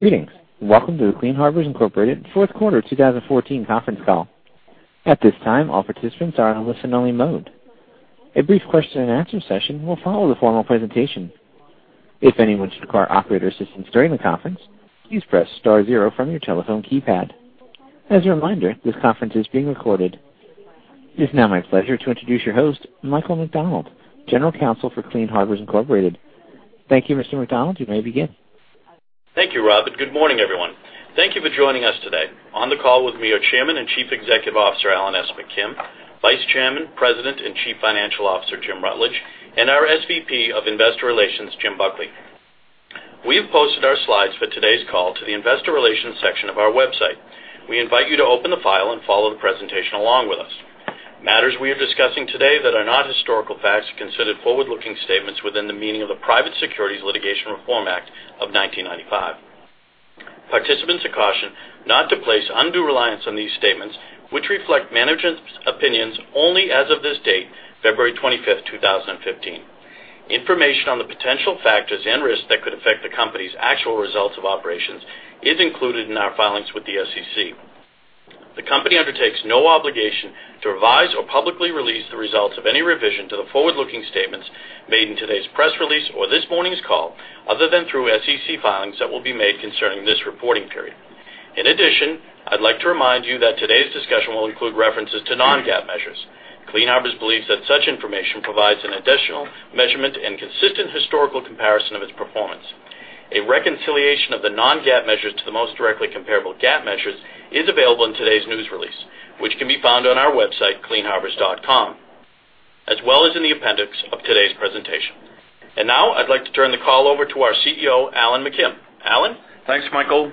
Greetings. Welcome to the Clean Harbors Incorporated Fourth Quarter 2014 Conference Call. At this time, all participants are in a listen-only mode. A brief question-and-answer session will follow the formal presentation. If anyone should require operator assistance during the conference, please press star zero from your telephone keypad. As a reminder, this conference is being recorded. It is now my pleasure to introduce your host, Michael McDonald, General Counsel for Clean Harbors Incorporated. Thank you, Mr. McDonald. You may begin. Thank you, Rob. And good morning, everyone. Thank you for joining us today on the call with our Chairman and Chief Executive Officer, Alan S. McKim, Vice Chairman, President, and Chief Financial Officer, Jim Rutledge, and our SVP of Investor Relations, Jim Buckley. We have posted our slides for today's call to the Investor Relations section of our website. We invite you to open the file and follow the presentation along with us. Matters we are discussing today that are not historical facts are considered forward-looking statements within the meaning of the Private Securities Litigation Reform Act of 1995. Participants are cautioned not to place undue reliance on these statements, which reflect management's opinions only as of this date, February 25th, 2015. Information on the potential factors and risks that could affect the company's actual results of operations is included in our filings with the SEC. The company undertakes no obligation to revise or publicly release the results of any revision to the forward-looking statements made in today's press release or this morning's call, other than through SEC filings that will be made concerning this reporting period. In addition, I'd like to remind you that today's discussion will include references to non-GAAP measures. Clean Harbors believes that such information provides an additional measurement and consistent historical comparison of its performance. A reconciliation of the non-GAAP measures to the most directly comparable GAAP measures is available in today's news release, which can be found on our website, cleanharbors.com, as well as in the appendix of today's presentation. And now, I'd like to turn the call over to our CEO, Alan McKim. Alan? Thanks, Michael.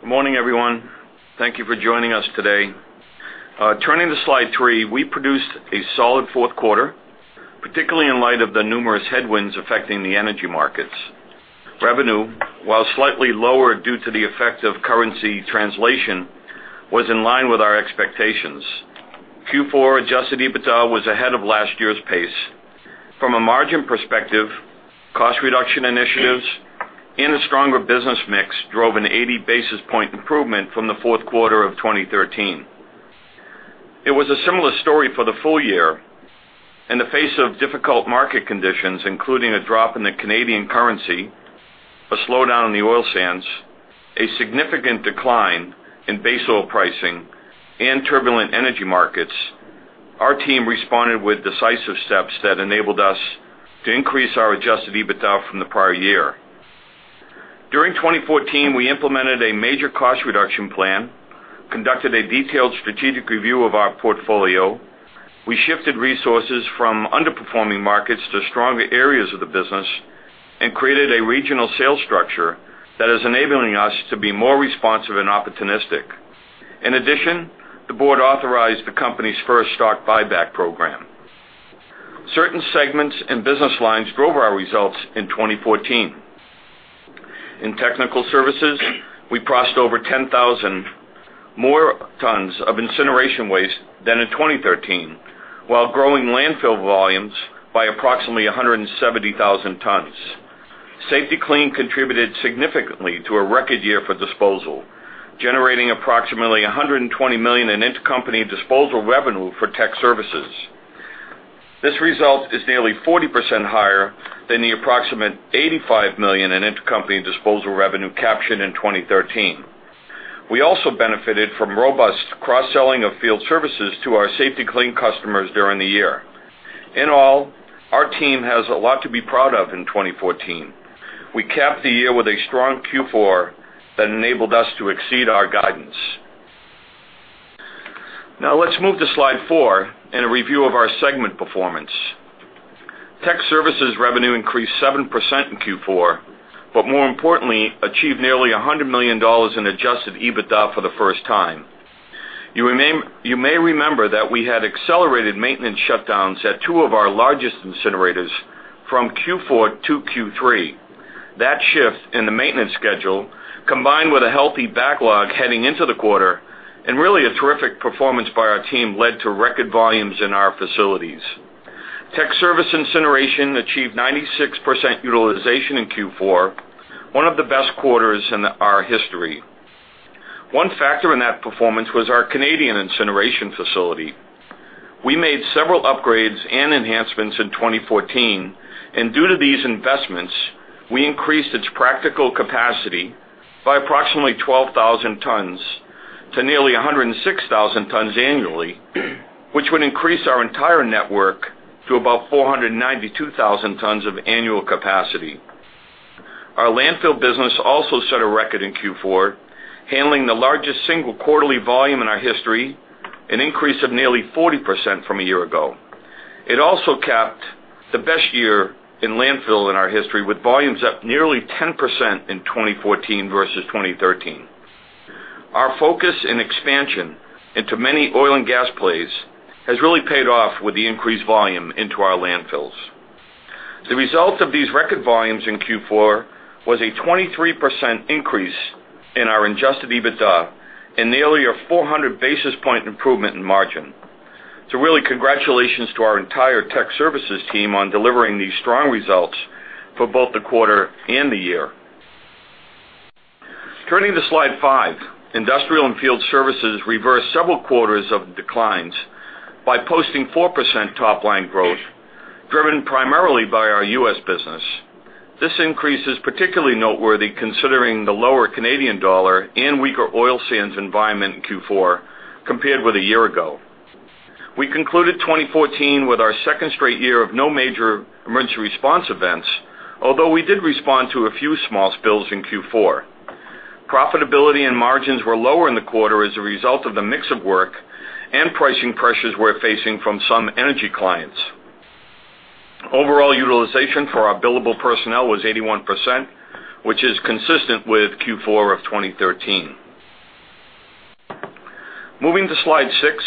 Good morning, everyone. Thank you for joining us today. Turning to slide three, we produced a solid fourth quarter, particularly in light of the numerous headwinds affecting the energy markets. Revenue, while slightly lower due to the effect of currency translation, was in line with our expectations. Q4 Adjusted EBITDA was ahead of last year's pace. From a margin perspective, cost reduction initiatives and a stronger business mix drove an 80 basis point improvement from the fourth quarter of 2013. It was a similar story for the full year. In the face of difficult market conditions, including a drop in the Canadian currency, a slowdown in the oil sands, a significant decline in base oil pricing, and turbulent energy markets, our team responded with decisive steps that enabled us to increase our Adjusted EBITDA from the prior year. During 2014, we implemented a major cost reduction plan, conducted a detailed strategic review of our portfolio, we shifted resources from underperforming markets to stronger areas of the business, and created a regional sales structure that is enabling us to be more responsive and opportunistic. In addition, the board authorized the company's first stock buyback program. Certain segments and business lines drove our results in 2014. In Technical Services, we crossed over 10,000 more tons of incineration waste than in 2013, while growing landfill volumes by approximately 170,000 tons. Safety-Kleen contributed significantly to a record year for disposal, generating approximately $120 million in intercompany disposal revenue Tech Services. This result is nearly 40% higher than the approximate $85 million in intercompany disposal revenue captured in 2013. We also benefited from robust cross-selling of field services to our Safety-Kleen customers during the year. In all, our team has a lot to be proud of in 2014. We capped the year with a strong Q4 that enabled us to exceed our guidance. Now, let's move to slide four and a review of our segment performance. Tech Services revenue increased 7% in Q4, but more importantly, achieved nearly $100 million in Adjusted EBITDA for the first time. You may remember that we had accelerated maintenance shutdowns at two of our largest incinerators from Q4 to Q3. That shift in the maintenance schedule, combined with a healthy backlog heading into the quarter, and really a terrific performance by our team led to record volumes in our facilities. Tech service incineration achieved 96% utilization in Q4, one of the best quarters in our history. One factor in that performance was our Canadian incineration facility. We made several upgrades and enhancements in 2014, and due to these investments, we increased its practical capacity by approximately 12,000 tons to nearly 106,000 tons annually, which would increase our entire network to about 492,000 tons of annual capacity. Our landfill business also set a record in Q4, handling the largest single quarterly volume in our history, an increase of nearly 40% from a year ago. It also capped the best year in landfill in our history, with volumes up nearly 10% in 2014 versus 2013. Our focus and expansion into many oil and gas plays has really paid off with the increased volume into our landfills. The result of these record volumes in Q4 was a 23% increase in our Adjusted EBITDA and nearly a 400 basis point improvement in margin. So really, congratulations to our entire Tech Services team on delivering these strong results for both the quarter and the year. Turning to slide five, Industrial and Field Services reversed several quarters of declines by posting 4% top-line growth, driven primarily by our U.S. business. This increase is particularly noteworthy considering the lower Canadian dollar and weaker oil sands environment in Q4 compared with a year ago. We concluded 2014 with our second straight year of no major emergency response events, although we did respond to a few small spills in Q4. Profitability and margins were lower in the quarter as a result of the mix of work and pricing pressures we're facing from some energy clients. Overall utilization for our billable personnel was 81%, which is consistent with Q4 of 2013. Moving to slide six,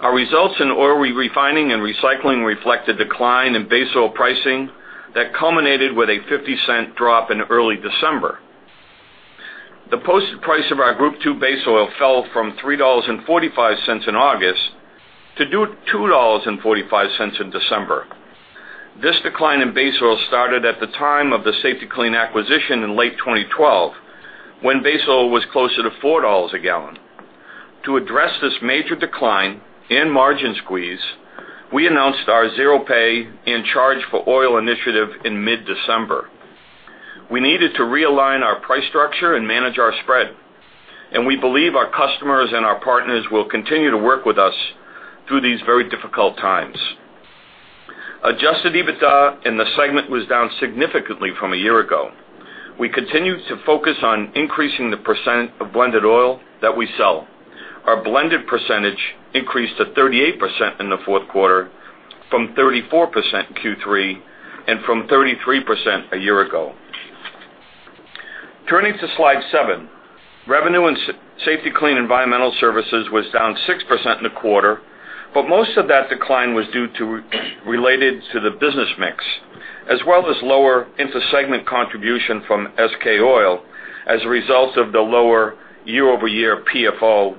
our results in Oil Refining and Recycling reflected a decline in base oil pricing that culminated with a $0.50 drop in early December. The posted price of our Group II base oil fell from $3.45 in August to $2.45 in December. This decline in base oil started at the time of the Safety-Kleen acquisition in late 2012, when base oil was closer to $4 a gallon. To address this major decline and margin squeeze, we announced our Zero Pay and Charge for Oil initiative in mid-December. We needed to realign our price structure and manage our spread, and we believe our customers and our partners will continue to work with us through these very difficult times. Adjusted EBITDA in the segment was down significantly from a year ago. We continue to focus on increasing the percent of blended oil that we sell. Our blended percentage increased to 38% in the fourth quarter from 34% in Q3 and from 33% a year ago. Turning to slide seven, revenue in Safety-Kleen Environmental Services was down 6% in the quarter, but most of that decline was related to the business mix, as well as lower inter-segment contribution from SK Oil as a result of the lower year-over-year PFO.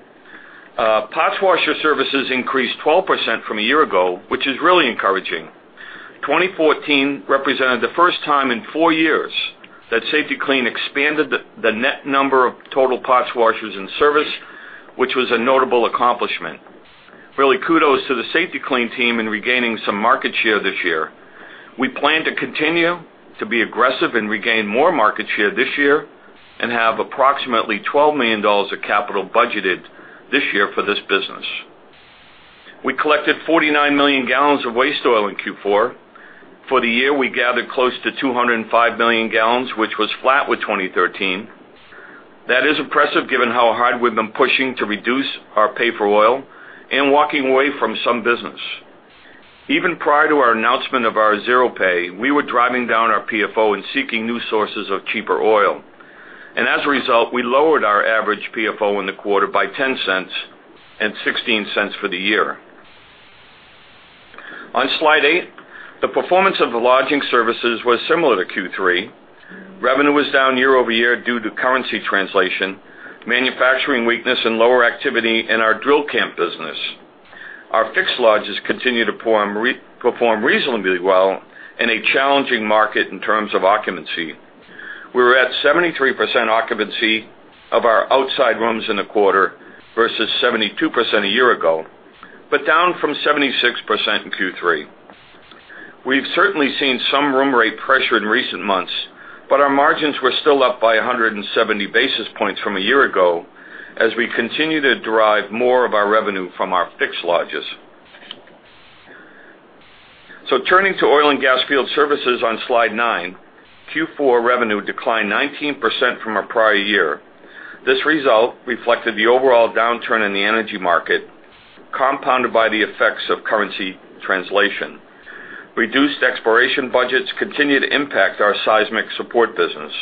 Parts washer services increased 12% from a year ago, which is really encouraging. 2014 represented the first time in 4 years that Safety-Kleen expanded the net number of total parts washers in service, which was a notable accomplishment. Really, kudos to the Safety-Kleen team in regaining some market share this year. We plan to continue to be aggressive and regain more market share this year and have approximately $12 million of capital budgeted this year for this business. We collected 49 million gallons of waste oil in Q4. For the year, we gathered close to 205 million gallons, which was flat with 2013. That is impressive given how hard we've been pushing to reduce our pay for oil and walking away from some business. Even prior to our announcement of our zero pay, we were driving down our PFO and seeking new sources of cheaper oil. And as a result, we lowered our average PFO in the quarter by $0.10 and $0.16 for the year. On slide eight, the performance of the Lodging Services was similar to Q3. Revenue was down year-over-year due to currency translation, manufacturing weakness, and lower activity in our drill camp business. Our fixed lodges continue to perform reasonably well in a challenging market in terms of occupancy. We were at 73% occupancy of our outside rooms in the quarter versus 72% a year ago, but down from 76% in Q3. We've certainly seen some room rate pressure in recent months, but our margins were still up by 170 basis points from a year ago as we continue to derive more of our revenue from our fixed lodges. So turning to Oil and Gas Field Services on slide nine, Q4 revenue declined 19% from a prior year. This result reflected the overall downturn in the energy market, compounded by the effects of currency translation. Reduced exploration budgets continue to impact our seismic support business.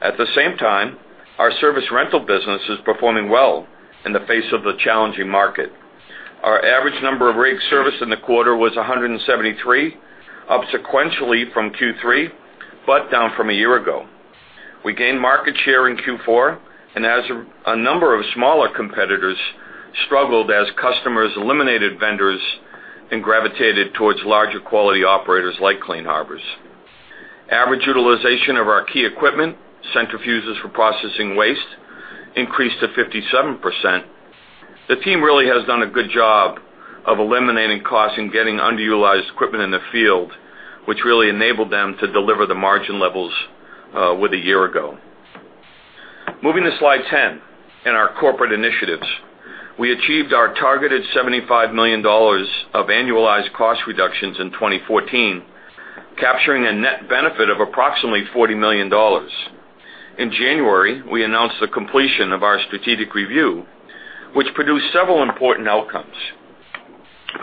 At the same time, our service rental business is performing well in the face of the challenging market. Our average number of rigs serviced in the quarter was 173, up sequentially from Q3, but down from a year ago. We gained market share in Q4, and as a number of smaller competitors struggled as customers eliminated vendors and gravitated towards larger quality operators like Clean Harbors. Average utilization of our key equipment, centrifuges for processing waste, increased to 57%. The team really has done a good job of eliminating costs and getting underutilized equipment in the field, which really enabled them to deliver the margin levels with a year ago. Moving to slide 10 in our corporate initiatives, we achieved our targeted $75 million of annualized cost reductions in 2014, capturing a net benefit of approximately $40 million. In January, we announced the completion of our strategic review, which produced several important outcomes.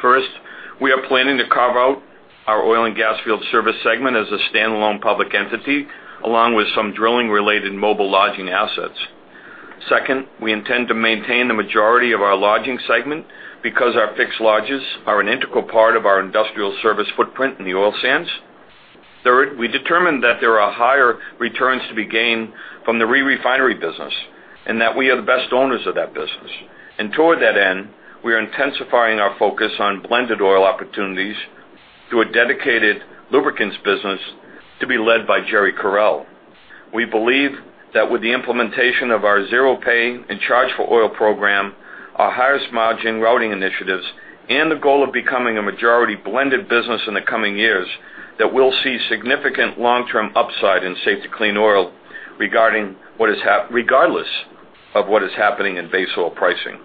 First, we are planning to carve out our oil and gas field service segment as a standalone public entity, along with some drilling-related mobile lodging assets. Second, we intend to maintain the majority of our lodging segment because our fixed lodges are an integral part of our industrial service footprint in the oil sands. Third, we determined that there are higher returns to be gained from the re-refinery business and that we are the best owners of that business. Toward that end, we are intensifying our focus on blended oil opportunities through a dedicated lubricants business to be led by Jerry Correll. We believe that with the implementation of our Zero Pay and Charge for Oil program, our highest margin routing initiatives, and the goal of becoming a majority blended business in the coming years, that we'll see significant long-term upside in Safety-Kleen oil regardless of what is happening in base oil pricing.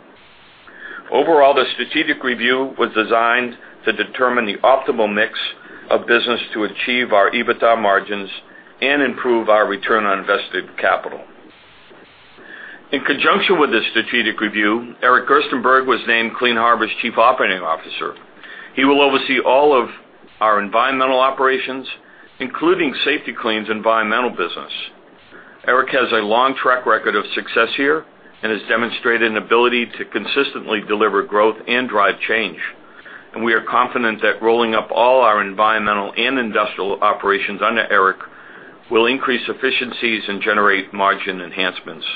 Overall, the strategic review was designed to determine the optimal mix of business to achieve our EBITDA margins and improve our return on invested capital. In conjunction with this strategic review, Eric Gerstenberg was named Clean Harbors' Chief Operating Officer. He will oversee all of our environmental operations, including Safety-Kleen's environmental business. Eric has a long track record of success here and has demonstrated an ability to consistently deliver growth and drive change. We are confident that rolling up all our environmental and industrial operations under Eric will increase efficiencies and generate margin enhancements.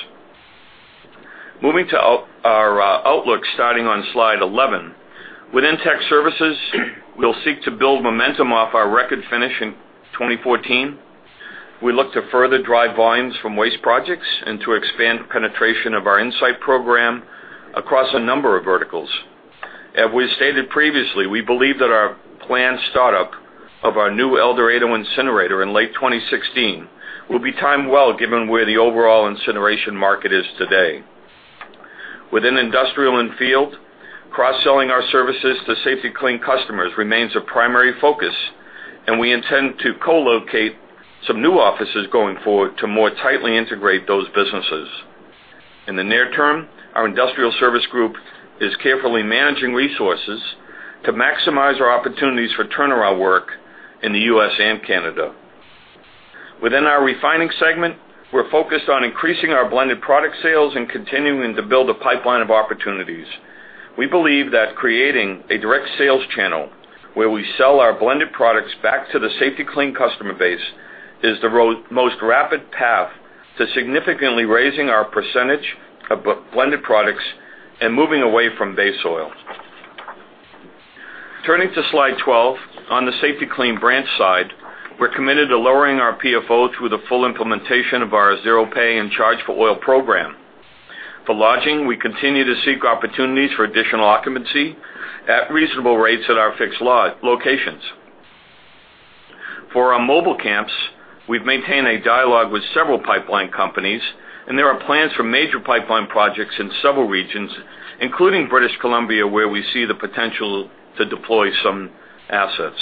Moving to our outlook starting on slide 11, within Tech Services, we'll seek to build momentum off our record finish in 2014. We look to further drive volumes from waste projects and to expand penetration of our InSite program across a number of verticals. As we stated previously, we believe that our planned startup of our new El Dorado incinerator in late 2016 will be timed well given where the overall incineration market is today. Within industrial and field, cross-selling our services to Safety-Kleen customers remains a primary focus, and we intend to co-locate some new offices going forward to more tightly integrate those businesses. In the near term, our industrial service group is carefully managing resources to maximize our opportunities for turnaround work in the U.S. and Canada. Within our refining segment, we're focused on increasing our blended product sales and continuing to build a pipeline of opportunities. We believe that creating a direct sales channel where we sell our blended products back to the Safety-Kleen customer base is the most rapid path to significantly raising our percentage of blended products and moving away from base oil. Turning to slide 12, on the Safety-Kleen branch side, we're committed to lowering our PFO through the full implementation of our Zero Pay and Charge for Oil program. For lodging, we continue to seek opportunities for additional occupancy at reasonable rates at our fixed locations. For our mobile camps, we've maintained a dialogue with several pipeline companies, and there are plans for major pipeline projects in several regions, including British Columbia, where we see the potential to deploy some assets.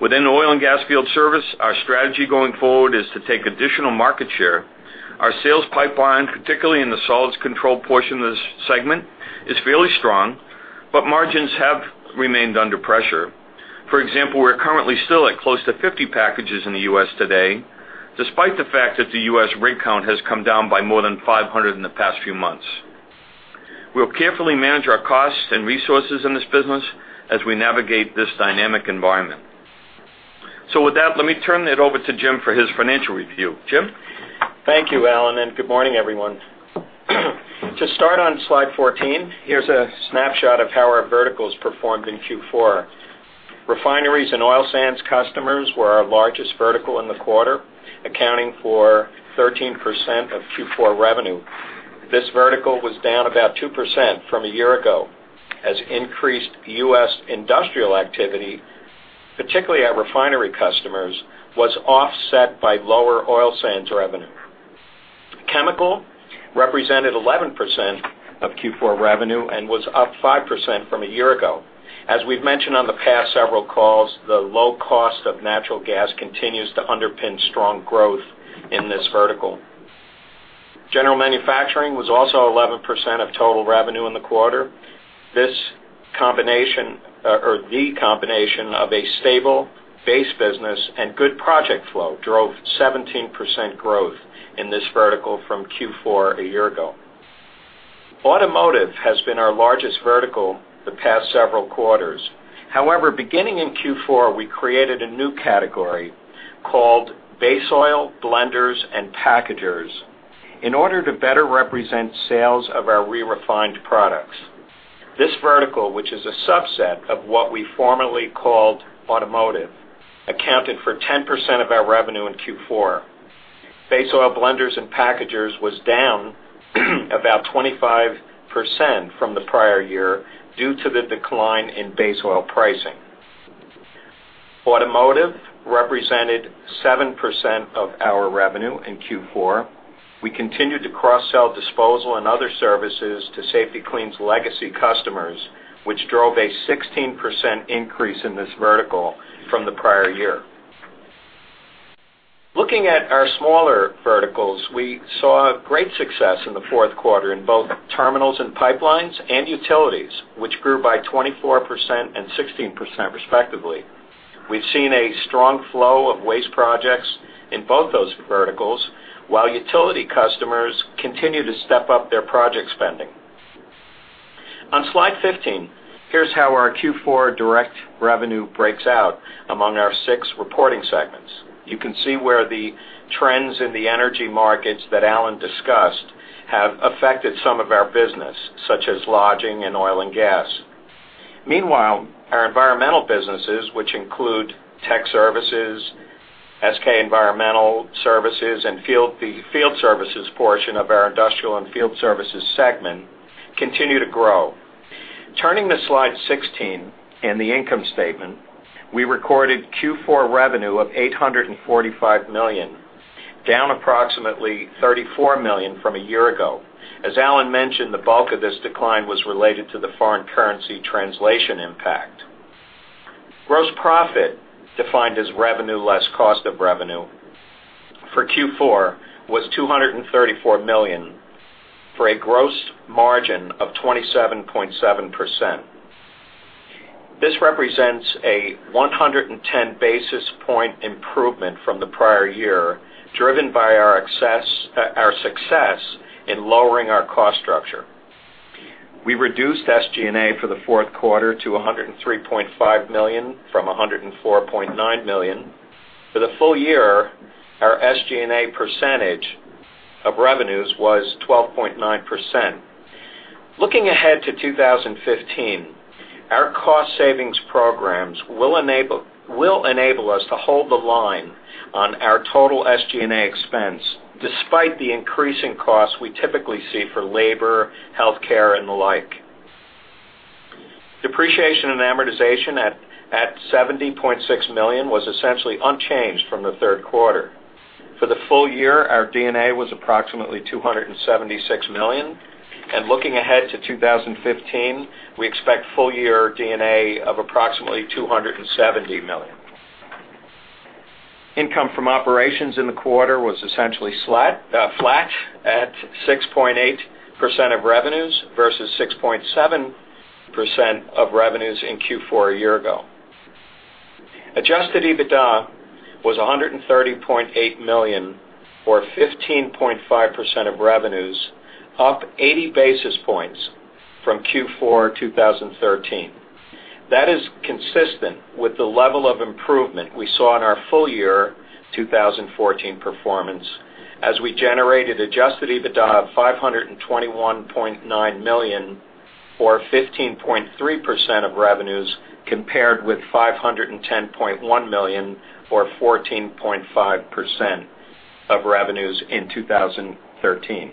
Within oil and gas field service, our strategy going forward is to take additional market share. Our sales pipeline, particularly in the solids control portion of this segment, is fairly strong, but margins have remained under pressure. For example, we're currently still at close to 50 packages in the U.S. today, despite the fact that the U.S. rig count has come down by more than 500 in the past few months. We'll carefully manage our costs and resources in this business as we navigate this dynamic environment. So with that, let me turn it over to Jim for his financial review. Jim? Thank you, Alan, and good morning, everyone. To start on slide 14, here's a snapshot of how our verticals performed in Q4. Refineries and oil sands customers were our largest vertical in the quarter, accounting for 13% of Q4 revenue. This vertical was down about 2% from a year ago as increased U.S. industrial activity, particularly at refinery customers, was offset by lower oil sands revenue. Chemical represented 11% of Q4 revenue and was up 5% from a year ago. As we've mentioned on the past several calls, the low cost of natural gas continues to underpin strong growth in this vertical. General Manufacturing was also 11% of total revenue in the quarter. This combination, or the combination of a stable base business and good project flow, drove 17% growth in this vertical from Q4 a year ago. Automotive has been our largest vertical the past several quarters. However, beginning in Q4, we created a new category called Base Oil, Blenders, and Packagers in order to better represent sales of our re-refined products. This vertical, which is a subset of what we formerly called automotive, accounted for 10% of our revenue in Q4. Base Oil, Blenders, and Packagers was down about 25% from the prior year due to the decline in base oil pricing. Automotive represented 7% of our revenue in Q4. We continued to cross-sell disposal and other services to Safety-Kleen's legacy customers, which drove a 16% increase in this vertical from the prior year. Looking at our smaller verticals, we saw great success in the fourth quarter in both Terminals and Pipelines and Utilities, which grew by 24% and 16% respectively. We've seen a strong flow of waste projects in both those verticals, while utility customers continue to step up their project spending. On slide 15, here's how our Q4 direct revenue breaks out among our six reporting segments. You can see where the trends in the energy markets that Alan discussed have affected some of our business, such as lodging and oil and gas. Meanwhile, our environmental businesses, which include Tech Services, SK Environmental Services, and field services portion of our Industrial and Field Services segment, continue to grow. Turning to slide 16 in the income statement, we recorded Q4 revenue of $845 million, down approximately $34 million from a year ago. As Alan mentioned, the bulk of this decline was related to the foreign currency translation impact. Gross profit, defined as revenue less cost of revenue, for Q4 was $234 million for a gross margin of 27.7%. This represents a 110 basis point improvement from the prior year, driven by our success in lowering our cost structure. We reduced SG&A for the fourth quarter to $103.5 million from $104.9 million. For the full year, our SG&A percentage of revenues was 12.9%. Looking ahead to 2015, our cost savings programs will enable us to hold the line on our total SG&A expense, despite the increasing costs we typically see for labor, healthcare, and the like. Depreciation and amortization at $70.6 million was essentially unchanged from the third quarter. For the full year, our D&A was approximately $276 million. Looking ahead to 2015, we expect full year D&A of approximately $270 million. Income from operations in the quarter was essentially flat at 6.8% of revenues versus 6.7% of revenues in Q4 a year ago. Adjusted EBITDA was $130.8 million, or 15.5% of revenues, up 80 basis points from Q4 2013. That is consistent with the level of improvement we saw in our full year 2014 performance as we generated Adjusted EBITDA of $521.9 million, or 15.3% of revenues, compared with $510.1 million, or 14.5% of revenues in 2013.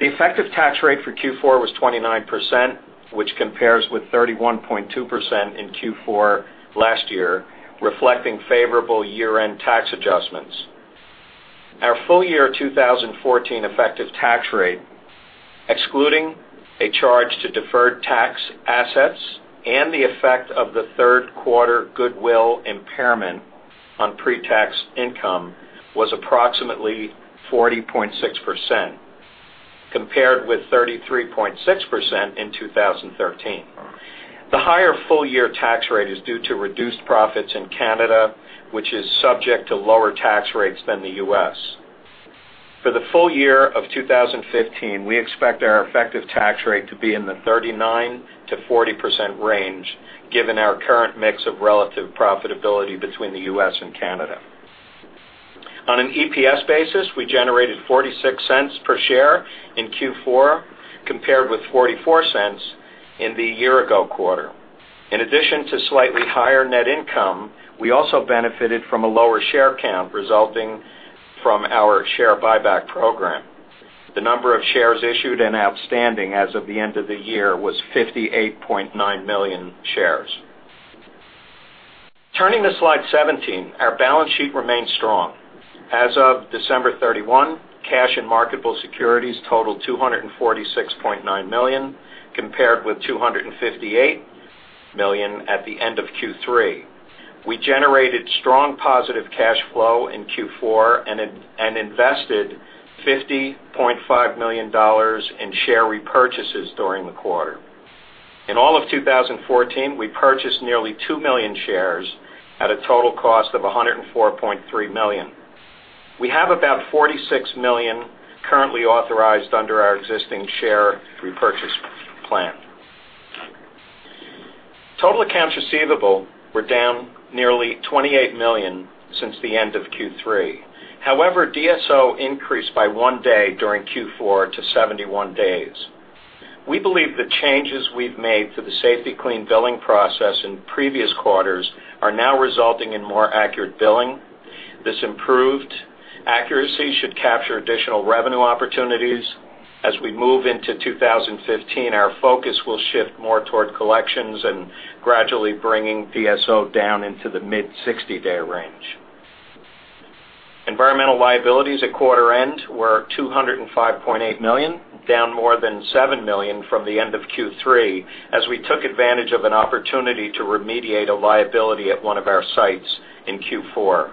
The effective tax rate for Q4 was 29%, which compares with 31.2% in Q4 last year, reflecting favorable year-end tax adjustments. Our full year 2014 effective tax rate, excluding a charge to deferred tax assets and the effect of the third quarter goodwill impairment on pre-tax income, was approximately 40.6%, compared with 33.6% in 2013. The higher full year tax rate is due to reduced profits in Canada, which is subject to lower tax rates than the U.S.. For the full year of 2015, we expect our effective tax rate to be in the 39%-40% range, given our current mix of relative profitability between the U.S. and Canada. On an EPS basis, we generated $0.46 per share in Q4, compared with $0.44 in the year-ago quarter. In addition to slightly higher net income, we also benefited from a lower share count resulting from our share buyback program. The number of shares issued and outstanding as of the end of the year was 58.9 million shares. Turning to slide 17, our balance sheet remains strong. As of December 31, cash and marketable securities totaled $246.9 million, compared with $258 million at the end of Q3. We generated strong positive cash flow in Q4 and invested $50.5 million in share repurchases during the quarter. In all of 2014, we purchased nearly 2 million shares at a total cost of $104.3 million. We have about $46 million currently authorized under our existing share repurchase plan. Total accounts receivable were down nearly $28 million since the end of Q3. However, DSO increased by one day during Q4 to 71 days. We believe the changes we've made to the Safety-Kleen billing process in previous quarters are now resulting in more accurate billing. This improved accuracy should capture additional revenue opportunities. As we move into 2015, our focus will shift more toward collections and gradually bringing DSO down into the mid-60-day range. Environmental liabilities at quarter end were $205.8 million, down more than $7 million from the end of Q3, as we took advantage of an opportunity to remediate a liability at one of our sites in Q4.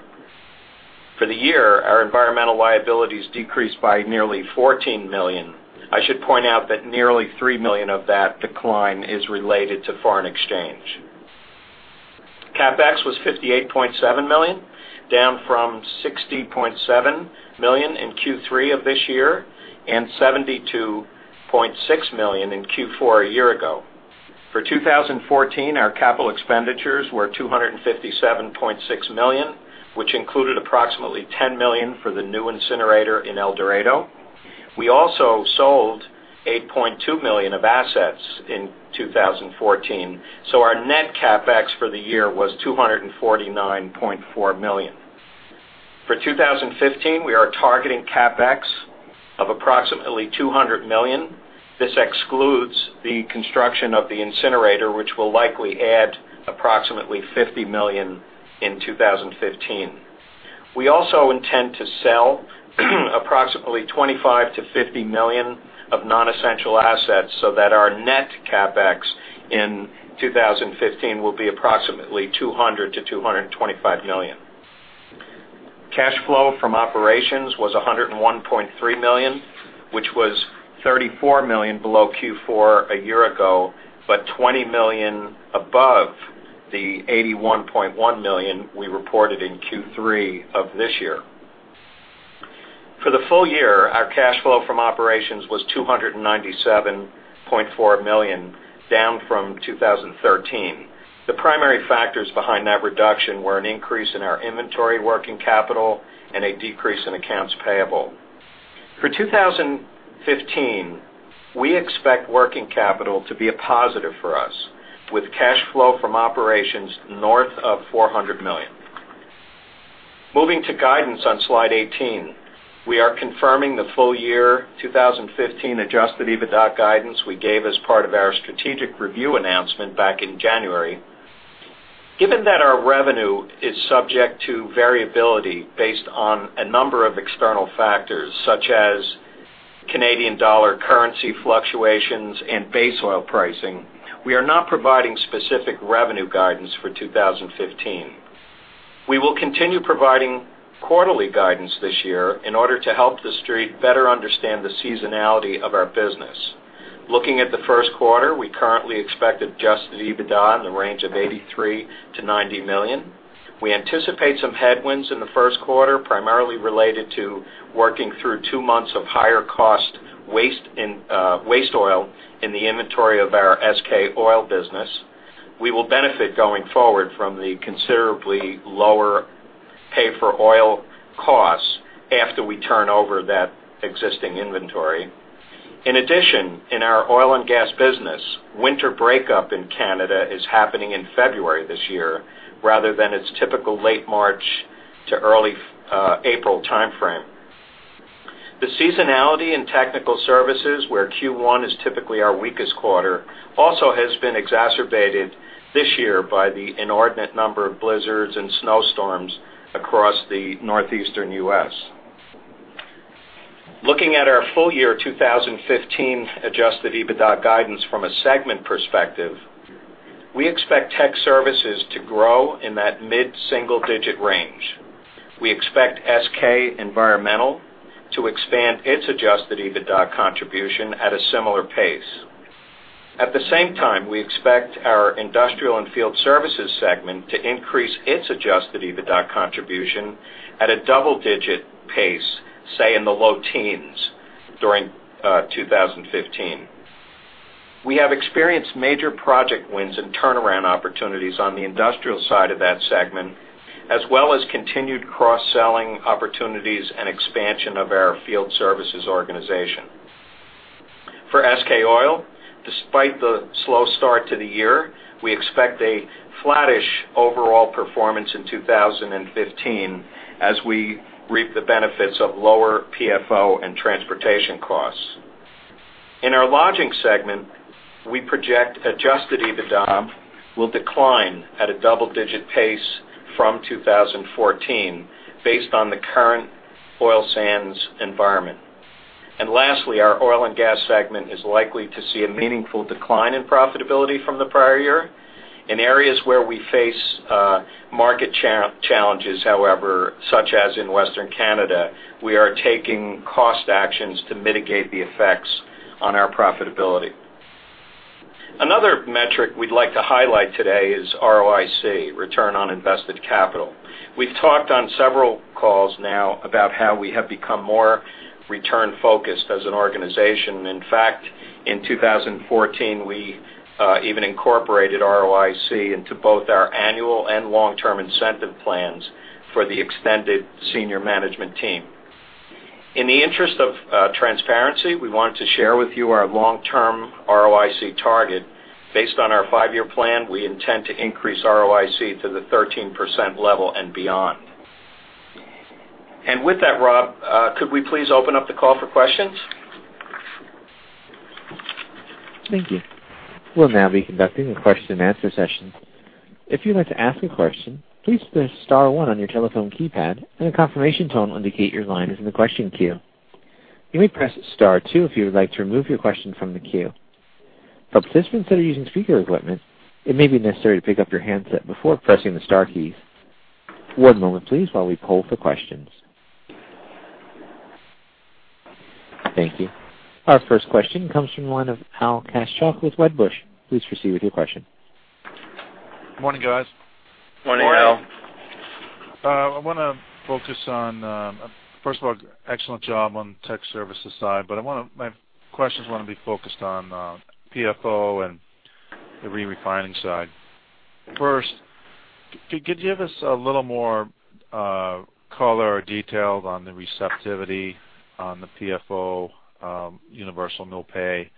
For the year, our environmental liabilities decreased by nearly $14 million. I should point out that nearly $3 million of that decline is related to foreign exchange. CapEx was $58.7 million, down from $60.7 million in Q3 of this year and $72.6 million in Q4 a year ago. For 2014, our capital expenditures were $257.6 million, which included approximately $10 million for the new incinerator in El Dorado. We also sold $8.2 million of assets in 2014, so our net CapEx for the year was $249.4 million. For 2015, we are targeting CapEx of approximately $200 million. This excludes the construction of the incinerator, which will likely add approximately $50 million in 2015. We also intend to sell approximately $25 million-$50 million of non-essential assets so that our net CapEx in 2015 will be approximately $200 million-$225 million. Cash flow from operations was $101.3 million, which was $34 million below Q4 a year ago, but $20 million above the $81.1 million we reported in Q3 of this year. For the full year, our cash flow from operations was $297.4 million, down from 2013. The primary factors behind that reduction were an increase in our inventory working capital and a decrease in accounts payable. For 2015, we expect working capital to be a positive for us, with cash flow from operations north of $400 million. Moving to guidance on slide 18, we are confirming the full year 2015 Adjusted EBITDA guidance we gave as part of our strategic review announcement back in January. Given that our revenue is subject to variability based on a number of external factors, such as Canadian dollar currency fluctuations and base oil pricing, we are not providing specific revenue guidance for 2015. We will continue providing quarterly guidance this year in order to help the street better understand the seasonality of our business. Looking at the first quarter, we currently expect Adjusted EBITDA in the range of $83 million-$90 million. We anticipate some headwinds in the first quarter, primarily related to working through two months of higher cost waste oil in the inventory of our SK oil business. We will benefit going forward from the considerably lower pay-for-oil costs after we turn over that existing inventory. In addition, in our oil and gas business, winter breakup in Canada is happening in February this year rather than its typical late March to early April timeframe. The seasonality in Technical Services, where Q1 is typically our weakest quarter, also has been exacerbated this year by the inordinate number of blizzards and snowstorms across the northeastern U.S. Looking at our full year 2015 Adjusted EBITDA guidance from a segment perspective, we expect Tech Services to grow in that mid-single-digit range. We expect SK Environmental to expand its Adjusted EBITDA contribution at a similar pace. At the same time, we expect our Industrial and Field Services segment to increase its Adjusted EBITDA contribution at a double-digit pace, say in the low teens during 2015. We have experienced major project wins and turnaround opportunities on the industrial side of that segment, as well as continued cross-selling opportunities and expansion of our field services organization. For SK Oil, despite the slow start to the year, we expect a flattish overall performance in 2015 as we reap the benefits of lower PFO and transportation costs. In our lodging segment, we project Adjusted EBITDA will decline at a double-digit pace from 2014, based on the current oil sands environment. Lastly, our oil and gas segment is likely to see a meaningful decline in profitability from the prior year. In areas where we face market challenges, however, such as in Western Canada, we are taking cost actions to mitigate the effects on our profitability. Another metric we'd like to highlight today is ROIC, return on invested capital. We've talked on several calls now about how we have become more return-focused as an organization. In fact, in 2014, we even incorporated ROIC into both our annual and long-term incentive plans for the extended senior management team. In the interest of transparency, we wanted to share with you our long-term ROIC target. Based on our five-year plan, we intend to increase ROIC to the 13% level and beyond. And with that, Rob, could we please open up the call for questions? Thank you. We'll now be conducting a question-and-answer session. If you'd like to ask a question, please press Star one on your telephone keypad, and a confirmation tone will indicate your line is in the question queue. You may press Star two if you would like to remove your question from the queue. For participants that are using speaker equipment, it may be necessary to pick up your handset before pressing the Star keys. One moment, please, while we poll for questions. Thank you. Our first question comes from the line of Al Kaschalk with Wedbush. Please proceed with your question. Morning, guys. Morning, Al. I want to focus on, first of all, excellent job on the Tech Services side, but my questions want to be focused on PFO and the re-refining side. First, could you give us a little more color or detail on the receptivity on the PFO, universal nil pay,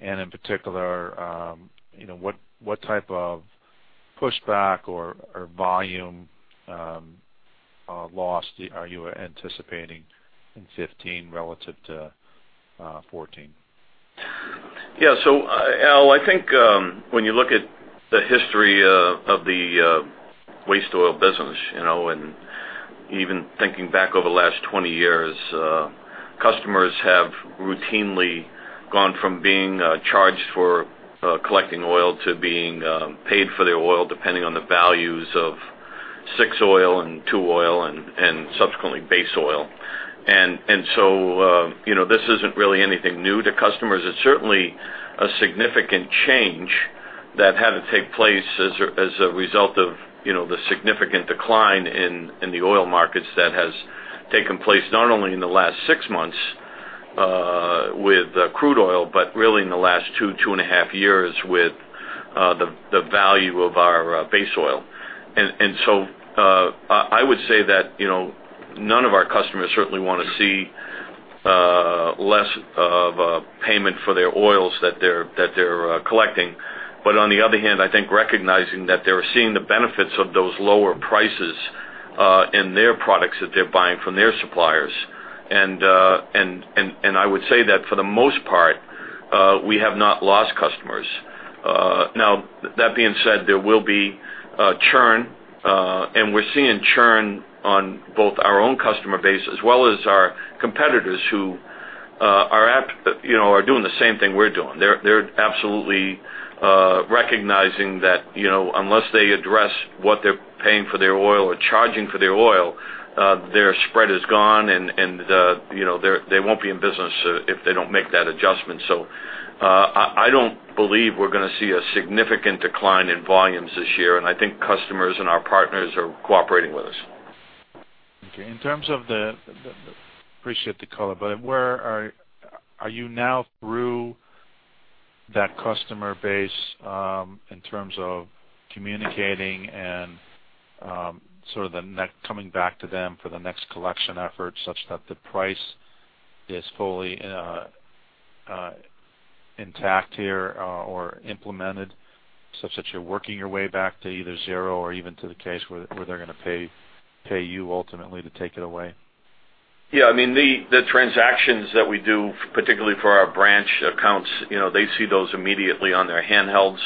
and in particular, what type of pushback or volume loss are you anticipating in 2015 relative to 2014? Yeah. So, Al, I think when you look at the history of the waste oil business, and even thinking back over the last 20 years, customers have routinely gone from being charged for collecting oil to being paid for their oil, depending on the values of six oil and two oil and subsequently base oil. And so this isn't really anything new to customers. It's certainly a significant change that had to take place as a result of the significant decline in the oil markets that has taken place not only in the last six months with crude oil, but really in the last two, two and a half years with the value of our base oil. And so I would say that none of our customers certainly want to see less of a payment for their oils that they're collecting. But on the other hand, I think, recognizing that they're seeing the benefits of those lower prices in their products that they're buying from their suppliers. And I would say that for the most part, we have not lost customers. Now, that being said, there will be churn, and we're seeing churn on both our own customer base as well as our competitors who are doing the same thing we're doing. They're absolutely recognizing that unless they address what they're paying for their oil or charging for their oil, their spread is gone, and they won't be in business if they don't make that adjustment. So I don't believe we're going to see a significant decline in volumes this year, and I think customers and our partners are cooperating with us. Okay. In terms of the appreciate the color, but where are you now through that customer base in terms of communicating and sort of the next coming back to them for the next collection effort such that the price is fully intact here or implemented, such that you're working your way back to either zero or even to the case where they're going to pay you ultimately to take it away? Yeah. I mean, the transactions that we do, particularly for our branch accounts, they see those immediately on their handhelds,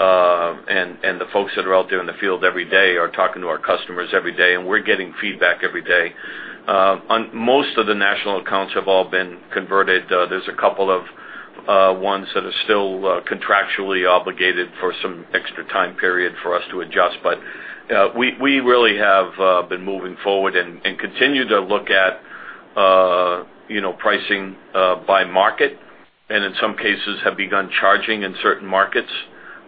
and the folks that are out there in the field every day are talking to our customers every day, and we're getting feedback every day. Most of the national accounts have all been converted. There's a couple of ones that are still contractually obligated for some extra time period for us to adjust, but we really have been moving forward and continue to look at pricing by market, and in some cases, have begun charging in certain markets.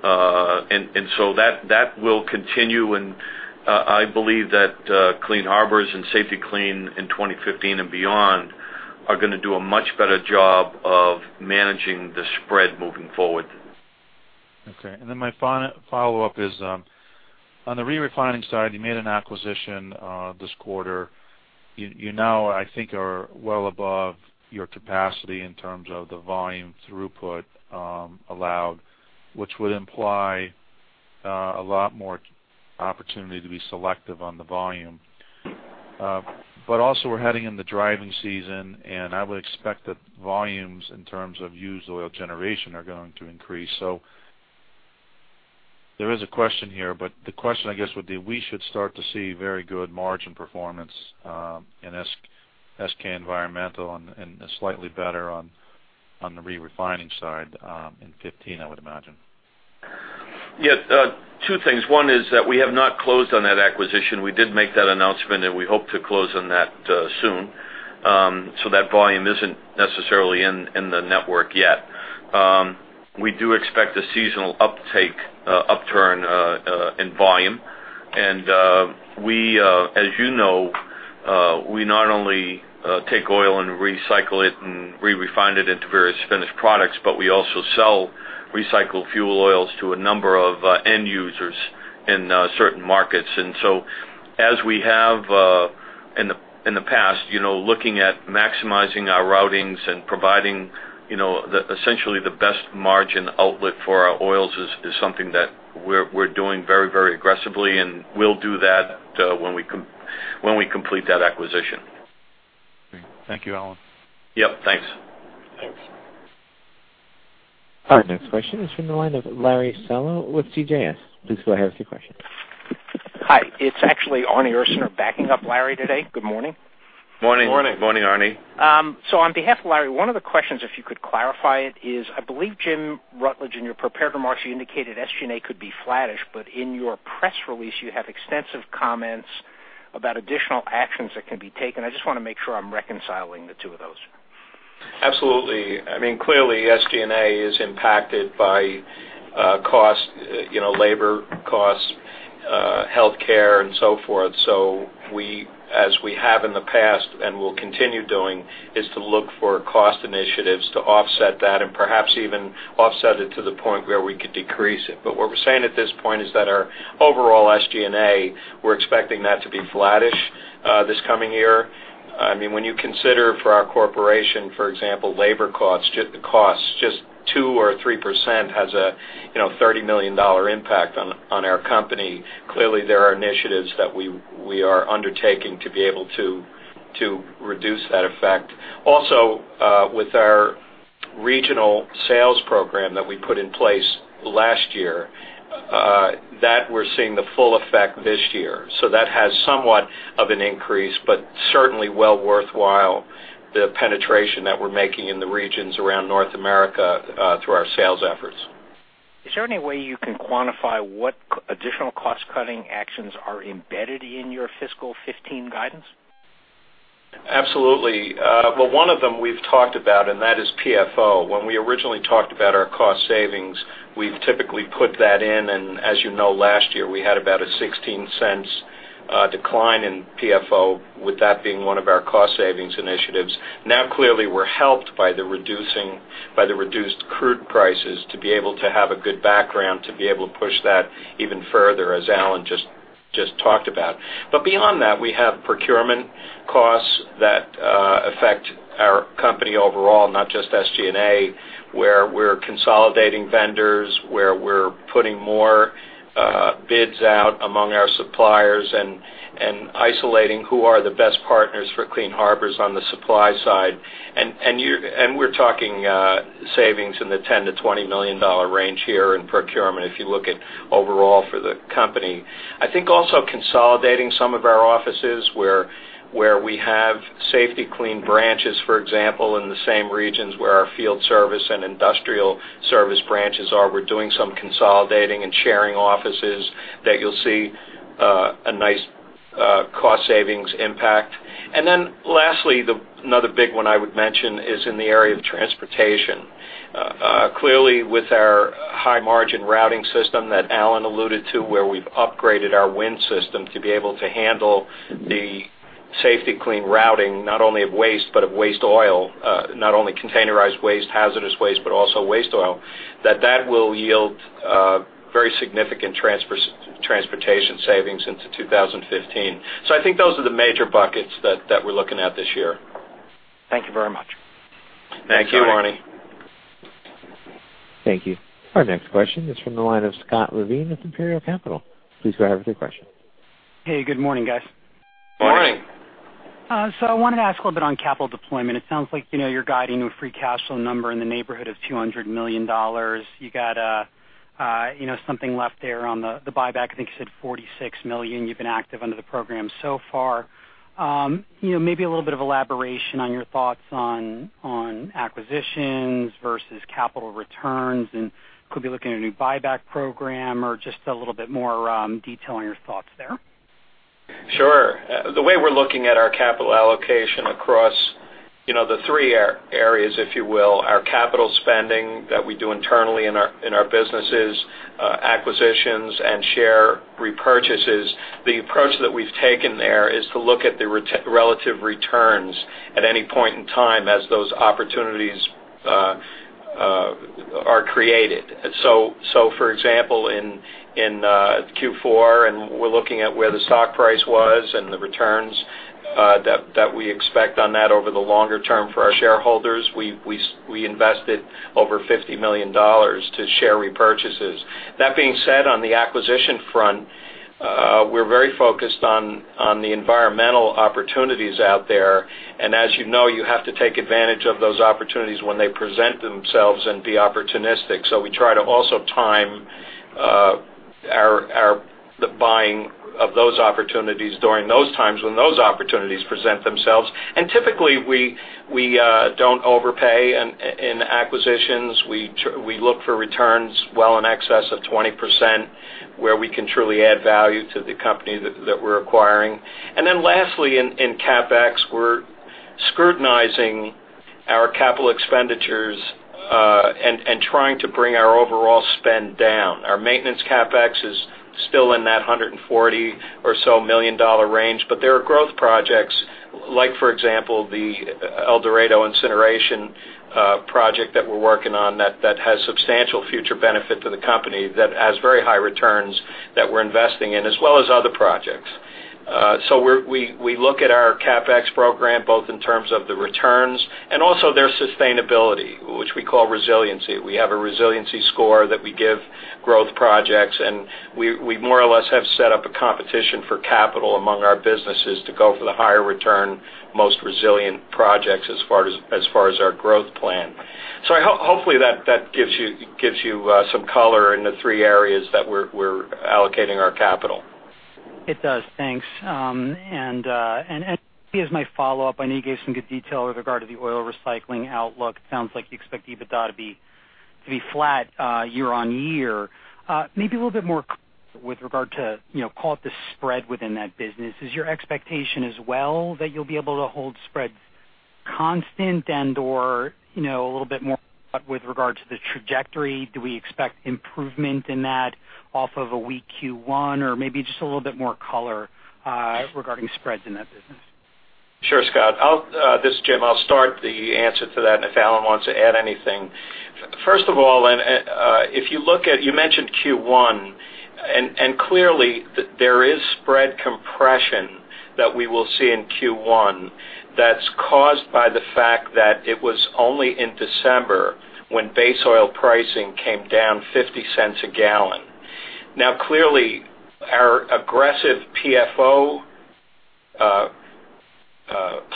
And so that will continue, and I believe that Clean Harbors and Safety-Kleen in 2015 and beyond are going to do a much better job of managing the spread moving forward. Okay. And then my final follow-up is, on the re-refining side, you made an acquisition this quarter. You know, I think, are well above your capacity in terms of the volume throughput allowed, which would imply a lot more opportunity to be selective on the volume. But also, we're heading into driving season, and I would expect that volumes in terms of used oil generation are going to increase. So there is a question here, but the question, I guess, would be we should start to see very good margin performance in SK Environmental and slightly better on the re-refining side in 2015, I would imagine. Yeah. Two things. One is that we have not closed on that acquisition. We did make that announcement, and we hope to close on that soon. So that volume isn't necessarily in the network yet. We do expect a seasonal upturn in volume. As you know, we not only take oil and recycle it and re-refine it into various finished products, but we also sell recycled fuel oils to a number of end users in certain markets. And so as we have in the past, looking at maximizing our routings and providing essentially the best margin outlet for our oils is something that we're doing very, very aggressively, and we'll do that when we complete that acquisition. Great. Thank you, Alan. Yep. Thanks. Thanks. Our next question is from the line of Larry Solow with CJS. Please go ahead with your question. Hi. It's actually Arnie Ursaner backing up Larry today. Good morning. Morning. Morning. Morning, Arnie. So on behalf of Larry, one of the questions, if you could clarify it, is I believe Jim Rutledge and your prepared remarks you indicated SG&A could be flattish, but in your press release, you have extensive comments about additional actions that can be taken. I just want to make sure I'm reconciling the two of those. Absolutely. I mean, clearly, SG&A is impacted by cost, labor costs, healthcare, and so forth. So as we have in the past and will continue doing, is to look for cost initiatives to offset that and perhaps even offset it to the point where we could decrease it. But what we're saying at this point is that our overall SG&A, we're expecting that to be flattish this coming year. I mean, when you consider for our corporation, for example, labor costs, just 2%-3% has a $30 million impact on our company. Clearly, there are initiatives that we are undertaking to be able to reduce that effect. Also, with our regional sales program that we put in place last year, that we're seeing the full effect this year. So that has somewhat of an increase, but certainly well worthwhile, the penetration that we're making in the regions around North America through our sales efforts. Is there any way you can quantify what additional cost-cutting actions are embedded in your fiscal 2015 guidance? Absolutely. Well, one of them we've talked about, and that is PFO. When we originally talked about our cost savings, we've typically put that in, and as you know, last year, we had about a $0.16 decline in PFO, with that being one of our cost-savings initiatives. Now, clearly, we're helped by the reduced crude prices to be able to have a good background to be able to push that even further, as Alan just talked about. But beyond that, we have procurement costs that affect our company overall, not just SG&A, where we're consolidating vendors, where we're putting more bids out among our suppliers and isolating who are the best partners for Clean Harbors on the supply side. And we're talking savings in the $10 million-$20 million range here in procurement if you look at overall for the company. I think also consolidating some of our offices where we have Safety-Kleen branches, for example, in the same regions where our field service and industrial service branches are. We're doing some consolidating and sharing offices that you'll see a nice cost-savings impact. And then lastly, another big one I would mention is in the area of transportation. Clearly, with our high-margin routing system that Alan alluded to, where we've upgraded our WIN system to be able to handle the Safety-Kleen routing, not only of waste, but of waste oil, not only containerized waste, hazardous waste, but also waste oil, that that will yield very significant transportation savings into 2015. So I think those are the major buckets that we're looking at this year. Thank you very much. Thank you, Arnie. Thank you. Our next question is from the line of Scott Levine at Imperial Capital. Please go ahead with your question. Hey. Good morning, guys. Morning. So I wanted to ask a little bit on capital deployment. It sounds like you're guiding a free cash flow number in the neighborhood of $200 million. You got something left there on the buyback. I think you said $46 million. You've been active under the program so far. Maybe a little bit of elaboration on your thoughts on acquisitions versus capital returns and could be looking at a new buyback program or just a little bit more detail on your thoughts there. Sure. The way we're looking at our capital allocation across the three areas, if you will, our capital spending that we do internally in our businesses, acquisitions, and share repurchases, the approach that we've taken there is to look at the relative returns at any point in time as those opportunities are created. So, for example, in Q4, and we're looking at where the stock price was and the returns that we expect on that over the longer term for our shareholders, we invested over $50 million to share repurchases. That being said, on the acquisition front, we're very focused on the environmental opportunities out there. And as you know, you have to take advantage of those opportunities when they present themselves and be opportunistic. So we try to also time the buying of those opportunities during those times when those opportunities present themselves. And typically, we don't overpay in acquisitions. We look for returns well in excess of 20% where we can truly add value to the company that we're acquiring. And then lastly, in CapEx, we're scrutinizing our capital expenditures and trying to bring our overall spend down. Our maintenance CapEx is still in that $140 million or so range, but there are growth projects, like for example, the El Dorado incineration project that we're working on that has substantial future benefit to the company that has very high returns that we're investing in, as well as other projects. So we look at our CapEx program both in terms of the returns and also their sustainability, which we call resiliency. We have a resiliency score that we give growth projects, and we more or less have set up a competition for capital among our businesses to go for the higher return, most resilient projects as far as our growth plan. So hopefully, that gives you some color in the three areas that we're allocating our capital. It does. Thanks. And as my follow-up, I know you gave some good detail with regard to the oil recycling outlook. It sounds like you expect EBITDA to be flat year-on-year. Maybe a little bit more with regard to, call it the spread within that business. Is your expectation as well that you'll be able to hold spreads constant and/or a little bit more with regard to the trajectory? Do we expect improvement in that off of a weak Q1 or maybe just a little bit more color regarding spreads in that business? Sure, Scott. This is Jim. I'll start the answer to that if Alan wants to add anything. First of all, if you look at you mentioned Q1, and clearly, there is spread compression that we will see in Q1 that's caused by the fact that it was only in December when base oil pricing came down $0.50 a gallon. Now, clearly, our aggressive PFO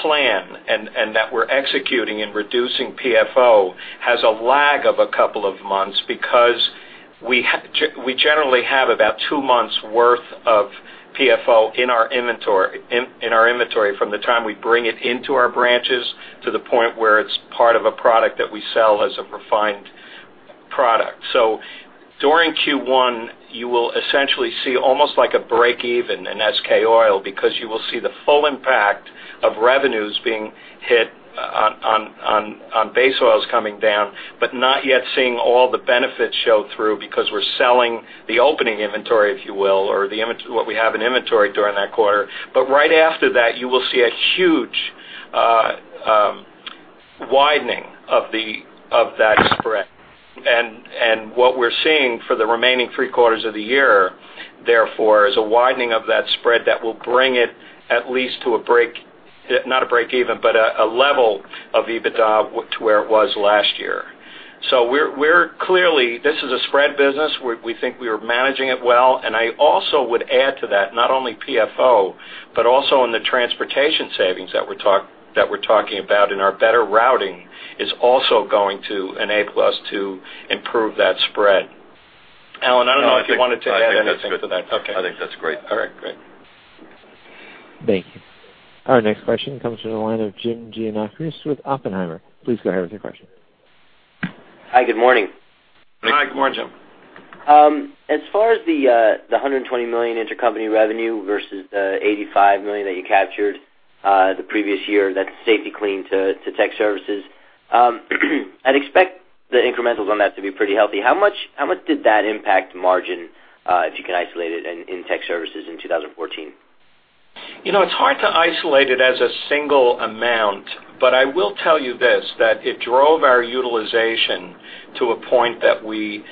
plan and that we're executing in reducing PFO has a lag of a couple of months because we generally have about two months' worth of PFO in our inventory from the time we bring it into our branches to the point where it's part of a product that we sell as a refined product. So during Q1, you will essentially see almost like a break-even in SK Oil because you will see the full impact of revenues being hit on base oils coming down, but not yet seeing all the benefits show through because we're selling the opening inventory, if you will, or what we have in inventory during that quarter. But right after that, you will see a huge widening of that spread. What we're seeing for the remaining three quarters of the year, therefore, is a widening of that spread that will bring it at least to a break—not a break-even, but a level of EBITDA to where it was last year. Clearly, this is a spread business. We think we are managing it well. I also would add to that, not only PFO, but also in the transportation savings that we're talking about and our better routing is also going to enable us to improve that spread. Alan, I don't know if you wanted to add anything to that. Okay. I think that's great. All right. Great. Thank you. Our next question comes from the line of Jim Giannakouros with Oppenheimer. Please go ahead with your question. Hi. Good morning. Hi. Good morning, Jim. As far as the $120 million intercompany revenue versus the $85 million that you captured the previous year, that's Safety-Kleen to Tech Services, I'd expect the incrementals on that to be pretty healthy. How much did that impact margin, if you can isolate it, in Tech Services in 2014? It's hard to isolate it as a single amount, but I will tell you this: it drove our utilization to a point that we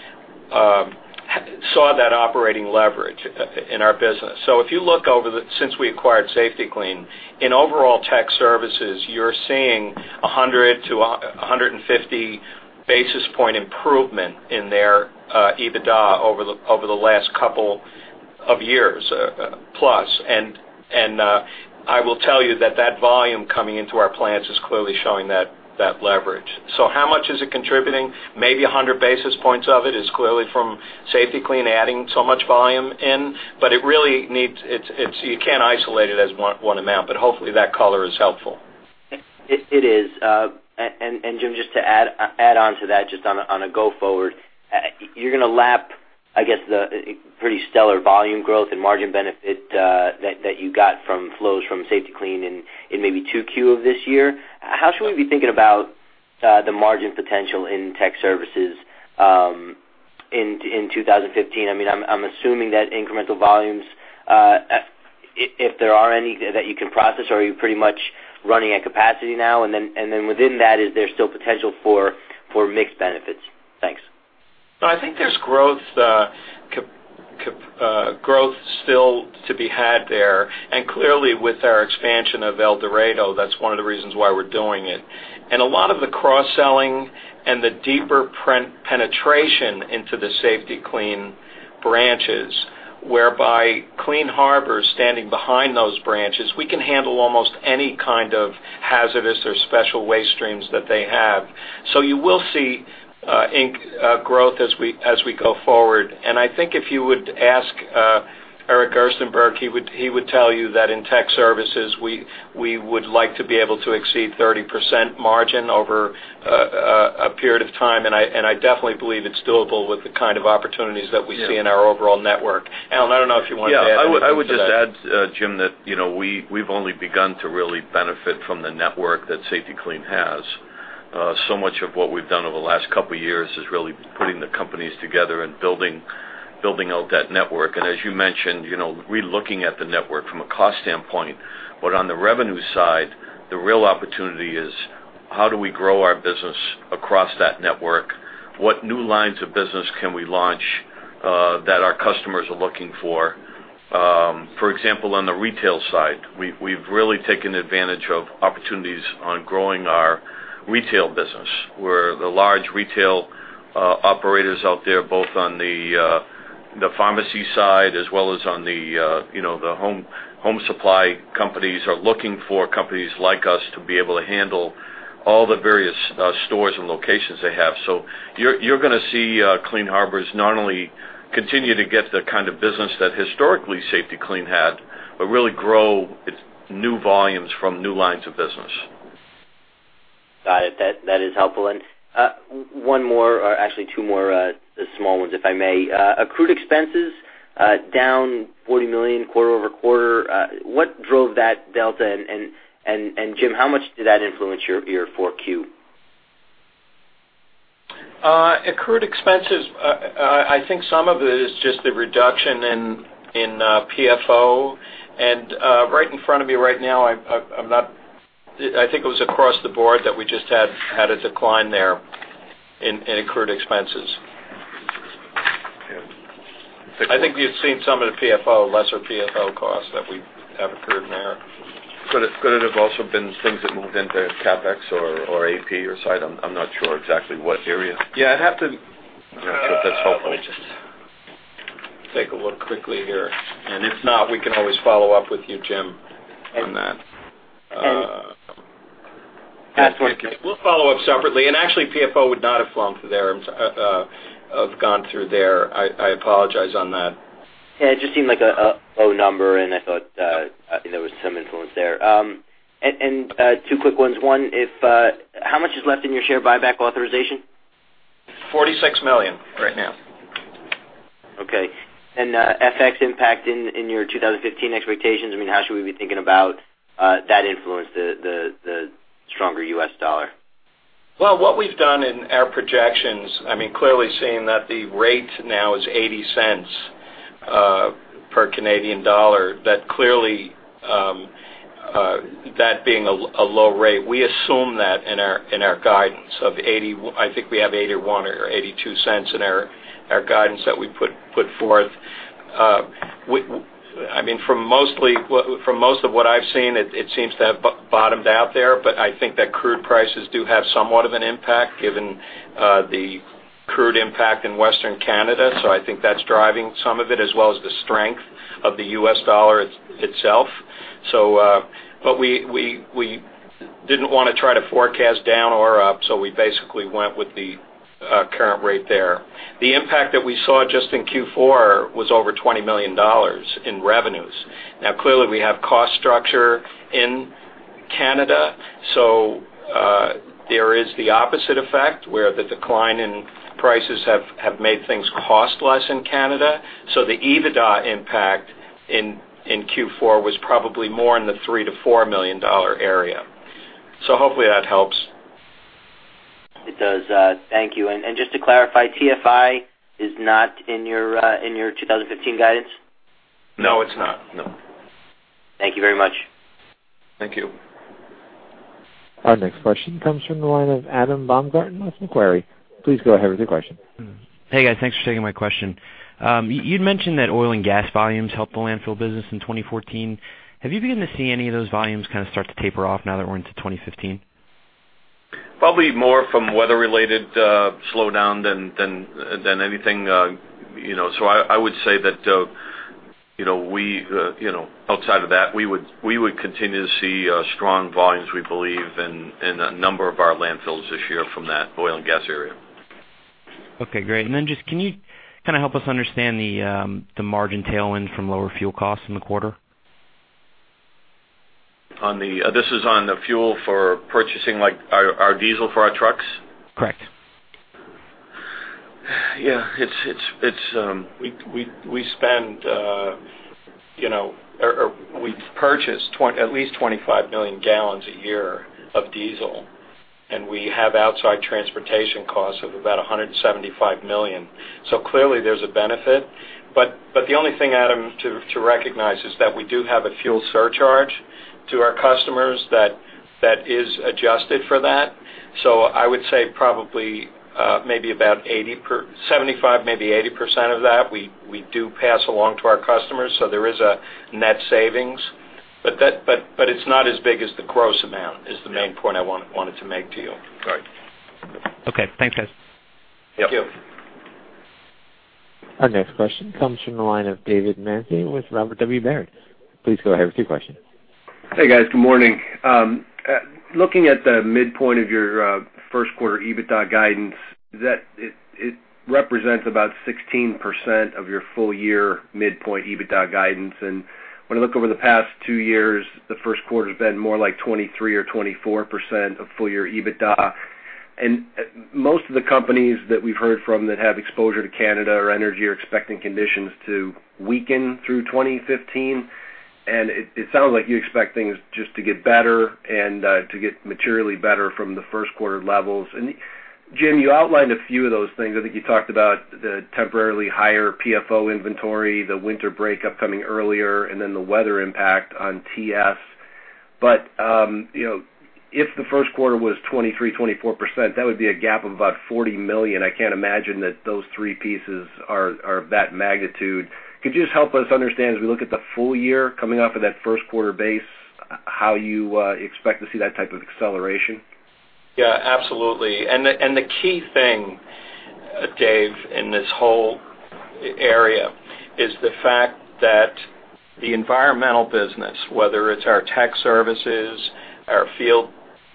saw that operating leverage in our business. So if you look over the since we acquired Safety-Kleen, in overall Tech Services, you're seeing 100-150 basis point improvement in their EBITDA over the last couple of years plus. And I will tell you that that volume coming into our plants is clearly showing that leverage. So how much is it contributing? Maybe 100 basis points of it is clearly from Safety-Kleen adding so much volume in, but it really needs. You can't isolate it as one amount, but hopefully, that color is helpful. It is. And Jim, just to add on to that, just on a go-forward, you're going to lap, I guess, the pretty stellar volume growth and margin benefit that you got from flows from Safety-Kleen in maybe Q2 of this year. How should we be thinking about the margin potential in Tech Services in 2015? I mean, I'm assuming that incremental volumes, if there are any, that you can process, or are you pretty much running at capacity now? And then within that, is there still potential for mixed benefits? Thanks. I think there's growth still to be had there. And clearly, with our expansion of El Dorado, that's one of the reasons why we're doing it. A lot of the cross-selling and the deeper penetration into the Safety-Kleen branches, whereby Clean Harbors standing behind those branches, we can handle almost any kind of hazardous or special waste streams that they have. So you will see growth as we go forward. I think if you would ask Eric Gerstenberg, he would tell you that in Tech Services, we would like to be able to exceed 30% margin over a period of time. I definitely believe it's doable with the kind of opportunities that we see in our overall network. Alan, I don't know if you wanted to add anything. I would just add, Jim, that we've only begun to really benefit from the network that Safety-Kleen has. So much of what we've done over the last couple of years is really putting the companies together and building out that network. And as you mentioned, relooking at the network from a cost standpoint, but on the revenue side, the real opportunity is how do we grow our business across that network? What new lines of business can we launch that our customers are looking for? For example, on the retail side, we've really taken advantage of opportunities on growing our retail business, where the large retail operators out there, both on the pharmacy side as well as on the home supply companies, are looking for companies like us to be able to handle all the various stores and locations they have. So you're going to see Clean Harbors not only continue to get the kind of business that historically Safety-Kleen had, but really grow its new volumes from new lines of business. Got it. That is helpful. And one more, or actually two more small ones, if I may. Accrued expenses down $40 million quarter-over-quarter. What drove that delta? And Jim, how much did that influence your Q4? Accrued expenses, I think some of it is just the reduction in PFO. Right in front of me right now, I think it was across the board that we just had a decline there in accrued expenses. I think you've seen some of the PFO, lesser PFO costs that we have incurred there. Could it have also been things that moved into CapEx or AP or side? I'm not sure exactly what area. Yeah. I'd have to. I don't know if that's helpful. I'll just take a look quickly here. If not, we can always follow up with you, Jim, on that. We'll follow up separately. Actually, PFO would not have flown through there if I've gone through there. I apologize on that. Yeah. It just seemed like a low number, and I thought there was some influence there. Two quick ones. One, how much is left in your share buyback authorization? $46 million right now. Okay. And FX impact in your 2015 expectations? I mean, how should we be thinking about that influence, the stronger U.S. dollar? Well, what we've done in our projections, I mean, clearly seeing that the rate now is $0.80 per Canadian dollar, that clearly that being a low rate, we assume that in our guidance of $0.80—I think we have $0.81 or $0.82 in our guidance that we put forth. I mean, from most of what I've seen, it seems to have bottomed out there, but I think that crude prices do have somewhat of an impact given the crude impact in Western Canada. So I think that's driving some of it, as well as the strength of the U.S. dollar itself. But we didn't want to try to forecast down or up, so we basically went with the current rate there. The impact that we saw just in Q4 was over $20 million in revenues. Now, clearly, we have cost structure in Canada, so there is the opposite effect where the decline in prices have made things cost less in Canada. So the EBITDA impact in Q4 was probably more in the $3 million-$4 million area. So hopefully, that helps. It does. Thank you. And just to clarify, TFI is not in your 2015 guidance? No, it's not. No. Thank you very much. Thank you. Our next question comes from the line of Adam Baumgarten with Macquarie. Please go ahead with your question. Hey, guys. Thanks for taking my question. You mentioned that oil and gas volumes helped the landfill business in 2014. Have you begun to see any of those volumes kind of start to taper off now that we're into 2015? Probably more from weather-related slowdown than anything. So I would say that we, outside of that, we would continue to see strong volumes, we believe, in a number of our landfills this year from that oil and gas area. Okay. Great. And then just can you kind of help us understand the margin tailwind from lower fuel costs in the quarter? This is on the fuel for purchasing our diesel for our trucks? Correct. Yeah. We spend or we purchase at least 25 million gallons a year of diesel, and we have outside transportation costs of about $175 million. So clearly, there's a benefit. But the only thing, Adam, to recognize is that we do have a fuel surcharge to our customers that is adjusted for that. So I would say probably maybe about 75%, maybe 80% of that we do pass along to our customers, so there is a net savings. But it's not as big as the gross amount is the main point I wanted to make to you. Right. Okay. Thanks, guys. Thank you. Our next question comes from the line of David Manthey with Robert W. Baird. Please go ahead with your question. Hey, guys. Good morning. Looking at the midpoint of your first quarter EBITDA guidance, it represents about 16% of your full-year midpoint EBITDA guidance. And when I look over the past two years, the first quarter has been more like 23% or 24% of full-year EBITDA. Most of the companies that we've heard from that have exposure to Canada or energy are expecting conditions to weaken through 2015. It sounds like you expect things just to get better and to get materially better from the first quarter levels. Jim, you outlined a few of those things. I think you talked about the temporarily higher PFO inventory, the winter break upcoming earlier, and then the weather impact on TS. But if the first quarter was 23%-24%, that would be a gap of about $40 million. I can't imagine that those three pieces are of that magnitude. Could you just help us understand, as we look at the full year coming off of that first quarter base, how you expect to see that type of acceleration? Yeah. Absolutely. The key thing, Dave, in this whole area is the fact that the environmental business, whether it's our Tech Services, our field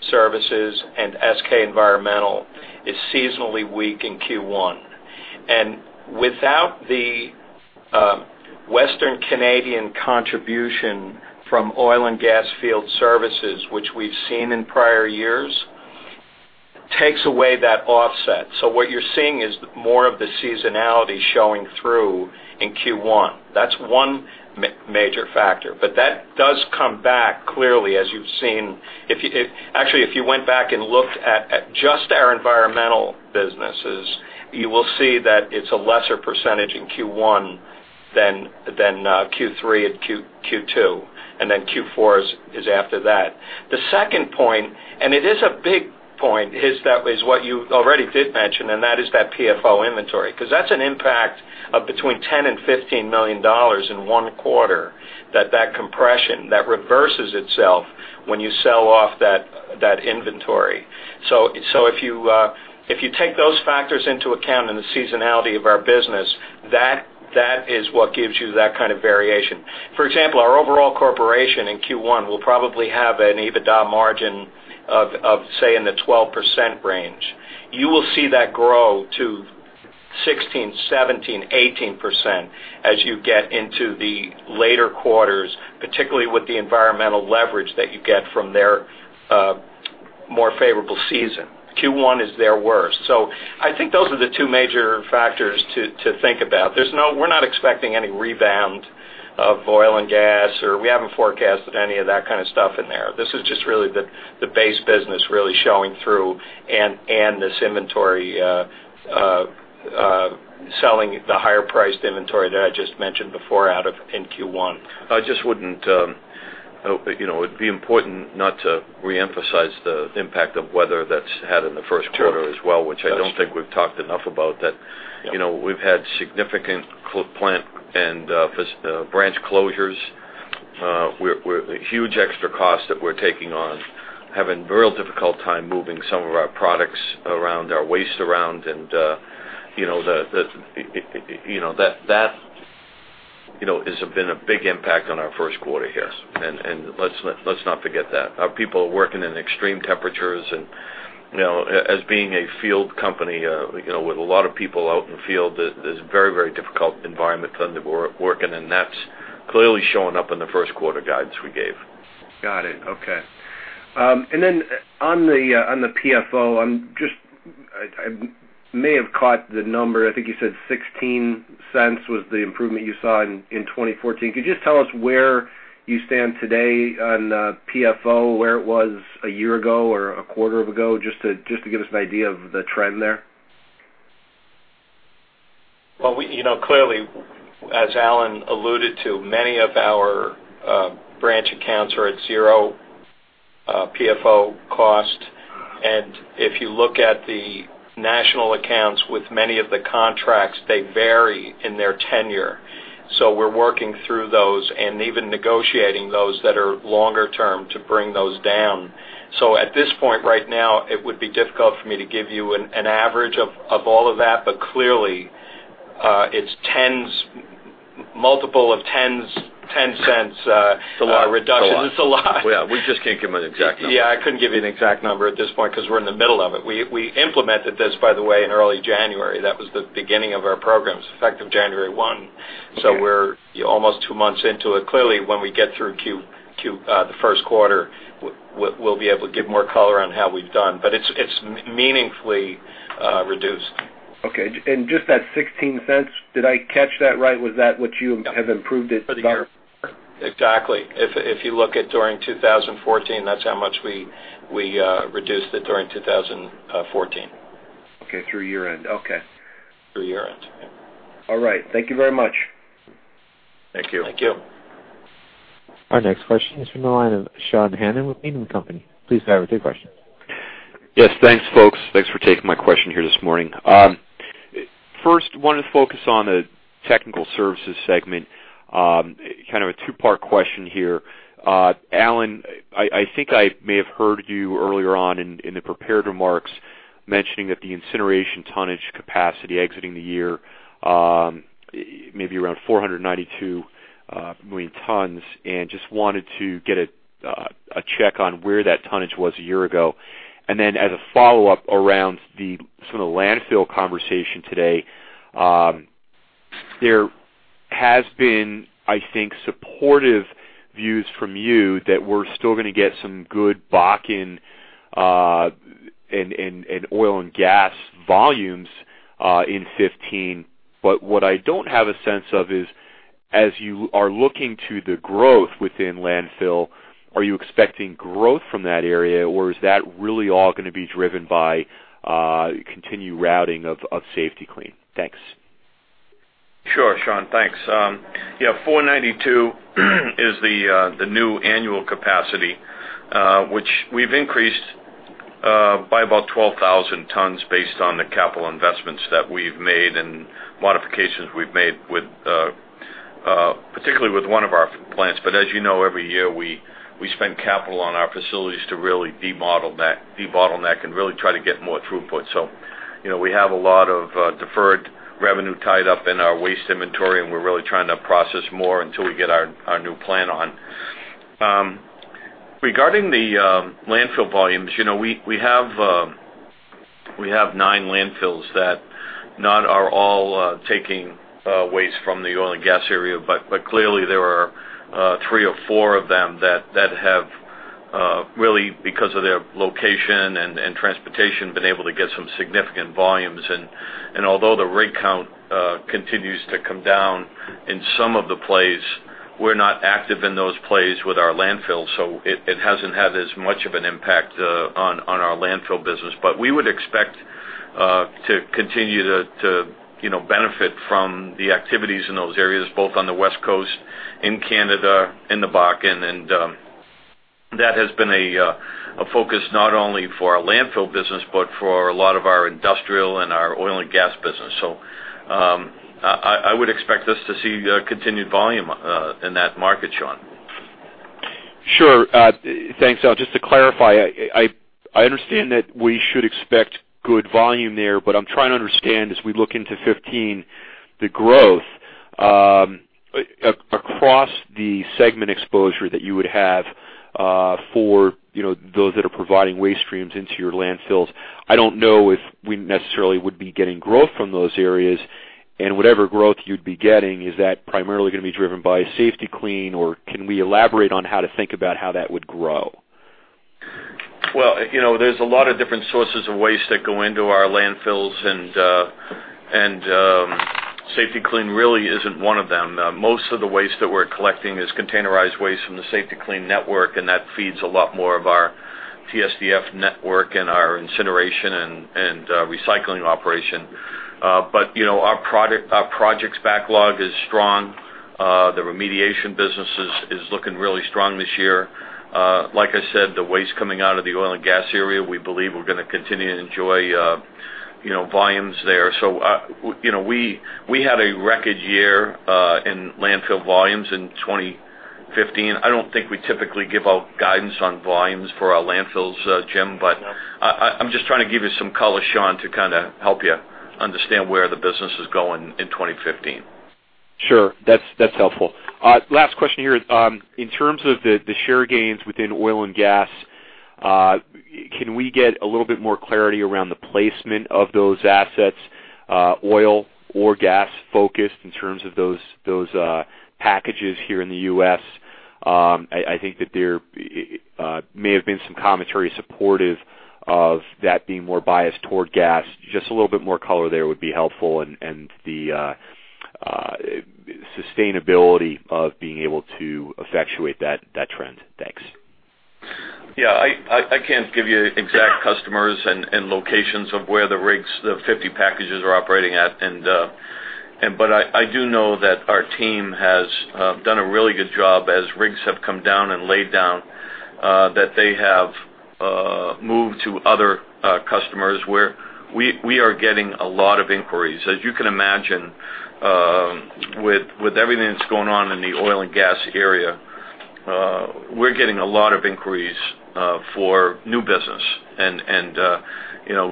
services, and SK Environmental, is seasonally weak in Q1. Without the Western Canadian contribution from Oil and Gas Field Services, which we've seen in prior years, takes away that offset. What you're seeing is more of the seasonality showing through in Q1. That's one major factor. But that does come back clearly, as you've seen. Actually, if you went back and looked at just our environmental businesses, you will see that it's a lesser percentage in Q1 than Q3 and Q2, and then Q4 is after that. The second point, and it is a big point, is what you already did mention, and that is that PFO inventory. Because that's an impact of between $10 million and $15 million in one quarter, that compression that reverses itself when you sell off that inventory. So if you take those factors into account and the seasonality of our business, that is what gives you that kind of variation. For example, our overall corporation in Q1 will probably have an EBITDA margin of, say, in the 12% range. You will see that grow to 16%, 17%, 18% as you get into the later quarters, particularly with the environmental leverage that you get from their more favorable season. Q1 is their worst. So I think those are the two major factors to think about. We're not expecting any ramp-up of oil and gas, or we haven't forecasted any of that kind of stuff in there. This is just really the base business really showing through and this inventory selling the higher-priced inventory that I just mentioned before out of in Q1. I just wouldn't—it'd be important not to reemphasize the impact of weather that's had in the first quarter as well, which I don't think we've talked enough about, that we've had significant plant and branch closures. We're a huge extra cost that we're taking on, having a real difficult time moving some of our products around, our waste around. And that has been a big impact on our first quarter here. And let's not forget that. Our people are working in extreme temperatures. And as being a field company with a lot of people out in the field, there's a very, very difficult environment under working, and that's clearly showing up in the first quarter guidance we gave. Got it. Okay. And then on the PFO, I may have caught the number. I think you said $0.16 was the improvement you saw in 2014. Could you just tell us where you stand today on PFO, where it was a year ago or a quarter ago, just to give us an idea of the trend there? Well, clearly, as Alan alluded to, many of our branch accounts are at 0 PFO cost. And if you look at the national accounts with many of the contracts, they vary in their tenure. So we're working through those and even negotiating those that are longer term to bring those down. So at this point right now, it would be difficult for me to give you an average of all of that, but clearly, it's multiple of $0.1 reduction. It's a lot. Yeah. We just can't give an exact number. Yeah. I couldn't give you an exact number at this point because we're in the middle of it. We implemented this, by the way, in early January. That was the beginning of our program, effective January 1. So we're almost two months into it. Clearly, when we get through the first quarter, we'll be able to give more color on how we've done. But it's meaningfully reduced. Okay. And just that $0.16, did I catch that right? Was that what you have improved it? Exactly. If you look at during 2014, that's how much we reduced it during 2014. Okay. Through year-end. Okay. Through year-end. All right. Thank you very much. Thank you. Thank you. Our next question is from the line of Sean Hannan with Needham & Company. Please go ahead with your question. Yes. Thanks, folks. Thanks for taking my question here this morning. First, I wanted to focus on the Technical Services segment. Kind of a two-part question here. Alan, I think I may have heard you earlier on in the prepared remarks mentioning that the incineration tonnage capacity exiting the year may be around 492,000 tons. And just wanted to get a check on where that tonnage was a year ago. And then as a follow-up around some of the landfill conversation today, there has been, I think, supportive views from you that we're still going to get some good buck in oil and gas volumes in 2015. But what I don't have a sense of is, as you are looking to the growth within landfill, are you expecting growth from that area, or is that really all going to be driven by continued routing of Safety-Kleen? Thanks. Sure, Sean. Thanks. Yeah. 492,000 tons is the new annual capacity, which we've increased by about 12,000 tons based on the capital investments that we've made and modifications we've made, particularly with one of our plants. But as you know, every year we spend capital on our facilities to really debottleneck that and really try to get more throughput. So we have a lot of deferred revenue tied up in our waste inventory, and we're really trying to process more until we get our new plant on. Regarding the landfill volumes, we have nine landfills that are not all taking waste from the oil and gas area, but clearly, there are three or four of them that have, really, because of their location and transportation, been able to get some significant volumes. Although the rate count continues to come down in some of the plays, we're not active in those plays with our landfill, so it hasn't had as much of an impact on our landfill business. We would expect to continue to benefit from the activities in those areas, both on the West Coast, in Canada, in the Bakken. That has been a focus not only for our landfill business but for a lot of our industrial and our oil and gas business. I would expect us to see continued volume in that market, Sean. Sure. Thanks. Just to clarify, I understand that we should expect good volume there, but I'm trying to understand, as we look into 2015, the growth across the segment exposure that you would have for those that are providing waste streams into your landfills. I don't know if we necessarily would be getting growth from those areas. And whatever growth you'd be getting, is that primarily going to be driven by Safety-Kleen, or can we elaborate on how to think about how that would grow? Well, there's a lot of different sources of waste that go into our landfills, and Safety-Kleen really isn't one of them. Most of the waste that we're collecting is containerized waste from the Safety-Kleen network, and that feeds a lot more of our TSDF network and our incineration and recycling operation. But our project's backlog is strong. The remediation business is looking really strong this year. Like I said, the waste coming out of the oil and gas area, we believe we're going to continue to enjoy volumes there. So we had a record year in landfill volumes in 2015. I don't think we typically give out guidance on volumes for our landfills, Jim, but I'm just trying to give you some color, Sean, to kind of help you understand where the business is going in 2015. Sure. That's helpful. Last question here. In terms of the share gains within oil and gas, can we get a little bit more clarity around the placement of those assets, oil or gas-focused, in terms of those packages here in the U.S.? I think that there may have been some commentary supportive of that being more biased toward gas. Just a little bit more color there would be helpful and the sustainability of being able to effectuate that trend. Thanks. Yeah. I can't give you exact customers and locations of where the rigs, the 50 packages are operating at. But I do know that our team has done a really good job as rigs have come down and laid down, that they have moved to other customers where we are getting a lot of inquiries. As you can imagine, with everything that's going on in the oil and gas area, we're getting a lot of inquiries for new business. And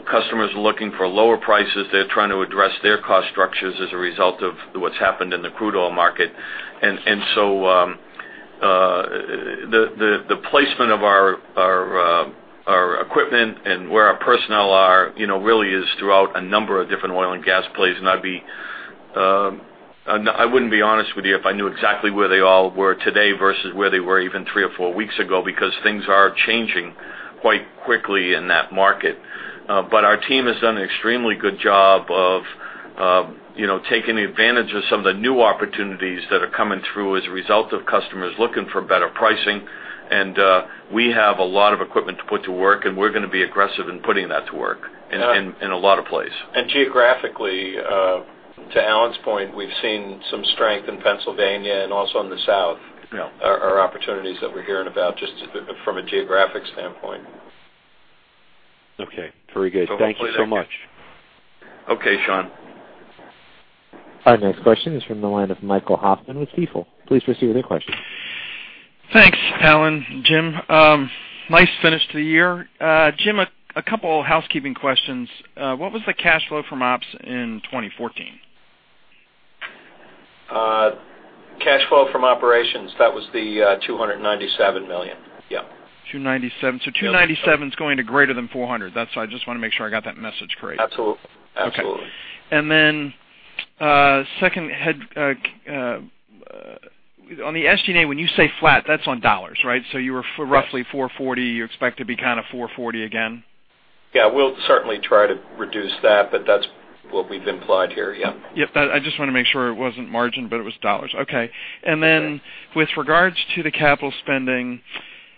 customers are looking for lower prices. They're trying to address their cost structures as a result of what's happened in the crude oil market. And so the placement of our equipment and where our personnel are really is throughout a number of different oil and gas plays. And I wouldn't be honest with you if I knew exactly where they all were today versus where they were even three or four weeks ago because things are changing quite quickly in that market. But our team has done an extremely good job of taking advantage of some of the new opportunities that are coming through as a result of customers looking for better pricing. And we have a lot of equipment to put to work, and we're going to be aggressive in putting that to work in a lot of places. And geographically, to Alan's point, we've seen some strength in Pennsylvania and also in the South, our opportunities that we're hearing about just from a geographic standpoint. Okay. Very good. Thank you so much. Okay, Sean. Our next question is from the line of Michael Hoffman with Stifel. Please proceed with your question. Thanks, Alan. Jim, nice finish to the year. Jim, a couple of housekeeping questions. What was the cash flow from ops in 2014? Cash flow from operations, that was the $297 million. Yeah. $297 million. So $297 million is going to greater than $400 million. That's why I just want to make sure I got that message correct. Absolutely. Absolutely. Okay. And then second, on the SG&A, when you say flat, that's on dollars, right? So you were roughly 440. You expect to be kind of 440 again? Yeah. We'll certainly try to reduce that, but that's what we've implied here. Yeah. Yep. I just want to make sure it wasn't margin, but it was dollars. Okay. And then with regards to the capital spending,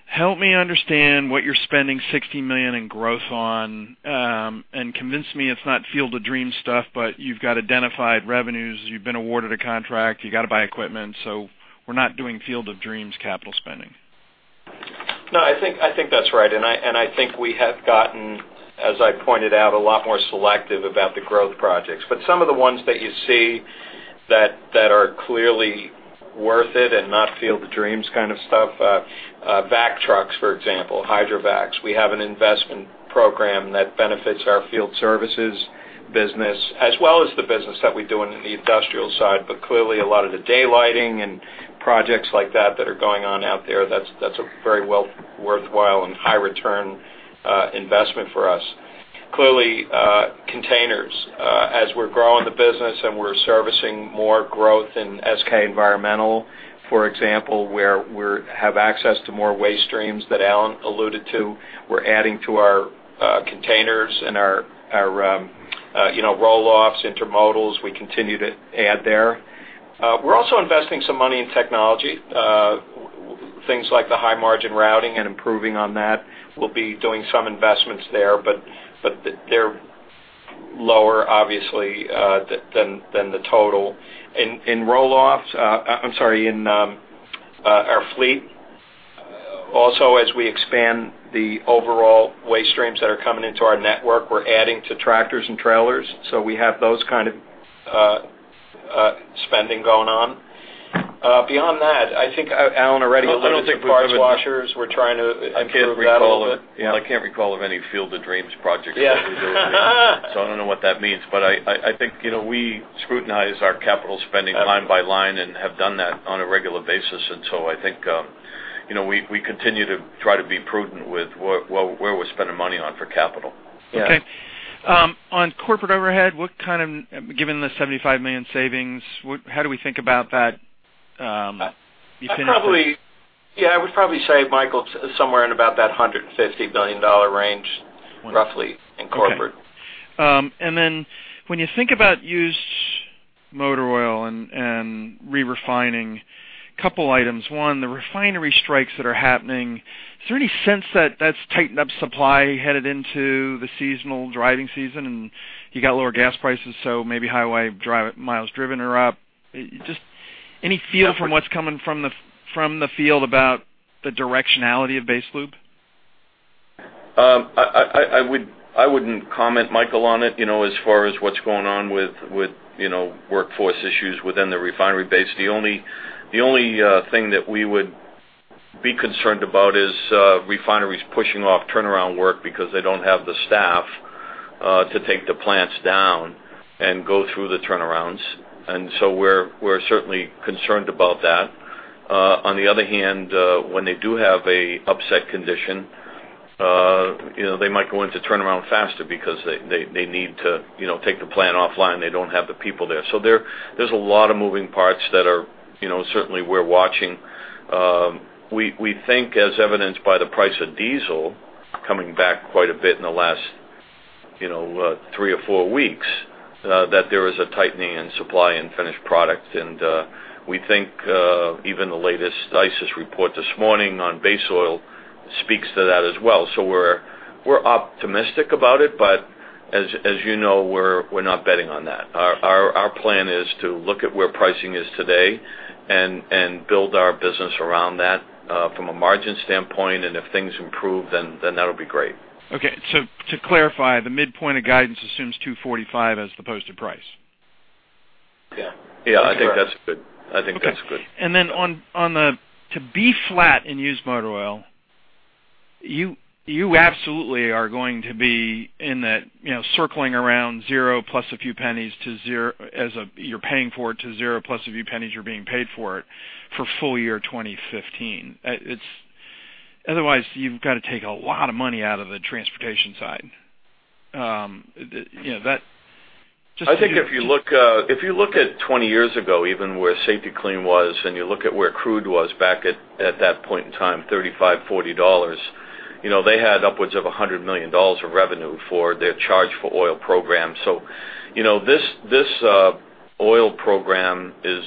help me understand what you're spending $60 million in growth on. And convince me it's not field of dreams stuff, but you've got identified revenues. You've been awarded a contract. You got to buy equipment. So we're not doing field of dreams capital spending. No, I think that's right. I think we have gotten, as I pointed out, a lot more selective about the growth projects. But some of the ones that you see that are clearly worth it and not field of dreams kind of stuff, vac trucks, for example, hydrovacs, we have an investment program that benefits our field services business as well as the business that we do on the industrial side. But clearly, a lot of the daylighting and projects like that that are going on out there, that's a very well-worthwhile and high-return investment for us. Clearly, containers, as we're growing the business and we're servicing more growth in SK Environmental, for example, where we have access to more waste streams that Alan alluded to, we're adding to our containers and our roll-offs, intermodals. We continue to add there. We're also investing some money in technology, things like the high-margin routing and improving on that. We'll be doing some investments there, but they're lower, obviously, than the total. In roll-offs, I'm sorry, in our fleet, also as we expand the overall waste streams that are coming into our network, we're adding to tractors and trailers. So we have those kind of spending going on. Beyond that, I think Alan already alluded to the parts washers. We're trying to improve that a little bit. I can't recall of any field of dreams projects that we're doing here. So I don't know what that means. But I think we scrutinize our capital spending line by line and have done that on a regular basis. And so I think we continue to try to be prudent with where we're spending money on for capital. Okay. On corporate overhead, given the $75 million savings, how do we think about that? Yeah. I would probably say, Michael, somewhere in about that $150 million range, roughly, in corporate. Okay. And then when you think about used motor oil and re-refining, a couple of items. One, the refinery strikes that are happening, is there any sense that that's tightened up supply headed into the seasonal driving season and you got lower gas prices, so maybe highway miles driven are up? Just any feel from what's coming from the field about the directionality of base oil? I wouldn't comment, Michael, on it as far as what's going on with workforce issues within the refinery base. The only thing that we would be concerned about is refineries pushing off turnaround work because they don't have the staff to take the plants down and go through the turnarounds. And so we're certainly concerned about that. On the other hand, when they do have an upset condition, they might go into turnaround faster because they need to take the plant offline. They don't have the people there. So there's a lot of moving parts that are certainly we're watching. We think, as evidenced by the price of diesel coming back quite a bit in the last three or four weeks, that there is a tightening in supply and finished product. And we think even the latest ICIS report this morning on base oil speaks to that as well. So we're optimistic about it, but as you know, we're not betting on that. Our plan is to look at where pricing is today and build our business around that from a margin standpoint. And if things improve, then that'll be great. Okay. So to clarify, the midpoint of guidance assumes 245 as the posted price. Yeah. Yeah. I think that's good. I think that's good. Okay. And then to be flat in used motor oil, you absolutely are going to be in that circling around zero plus a few pennies to zero as you're paying for it to zero plus a few pennies you're being paid for it for full year 2015. Otherwise, you've got to take a lot of money out of the transportation side. Just to say. I think if you look at 20 years ago, even where Safety-Kleen was, and you look at where crude was back at that point in time, $35-$40, they had upwards of $100 million of revenue for their charge for oil program. So this oil program is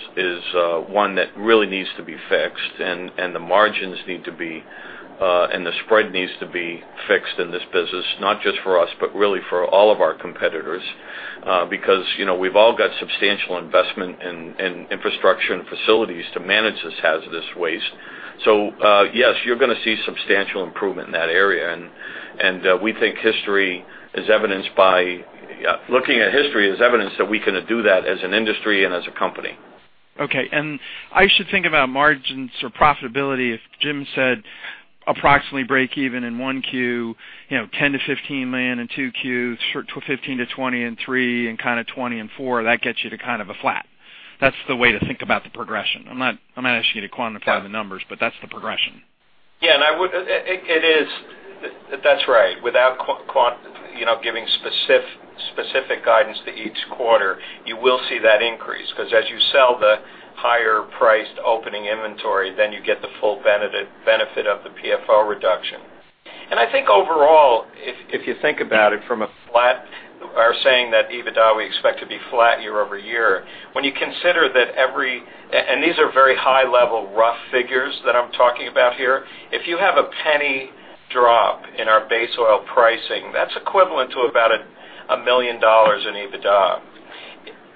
one that really needs to be fixed, and the margins need to be, and the spread needs to be fixed in this business, not just for us, but really for all of our competitors because we've all got substantial investment in infrastructure and facilities to manage this hazardous waste. So yes, you're going to see substantial improvement in that area. And we think history is evidenced by looking at history is evidence that we can do that as an industry and as a company. Okay. And I should think about margins or profitability if Jim said approximately break even in Q1, $10 million-$15 million in Q2, $15 million-$20 million in Q3, and kind of $20 million in Q4, that gets you to kind of a flat. That's the way to think about the progression. I'm not asking you to quantify the numbers, but that's the progression. Yeah. And it is, that's right. Without giving specific guidance to each quarter, you will see that increase because as you sell the higher-priced opening inventory, then you get the full benefit of the PFO reduction. And I think overall, if you think about it from a flat or saying that even though we expect to be flat year-over-year, when you consider that every, and these are very high-level rough figures that I'm talking about here, if you have a penny drop in our base oil pricing, that's equivalent to about $1 million in EBITDA.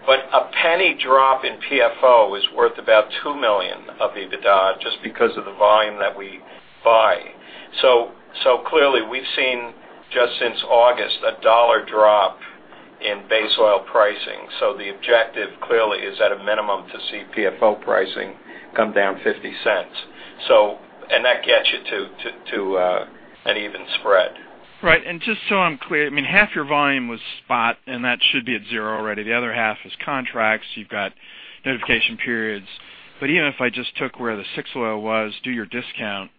But a penny drop in PFO is worth about $2 million of EBITDA just because of the volume that we buy. So clearly, we've seen just since August a dollar drop in base oil pricing. So the objective clearly is at a minimum to see PFO pricing come down $0.50. And that gets you to an even spread. Right. And just so I'm clear, I mean, half your volume was spot, and that should be at zero already. The other half is contracts. You've got notification periods. But even if I just took where the used oil was, do your discount,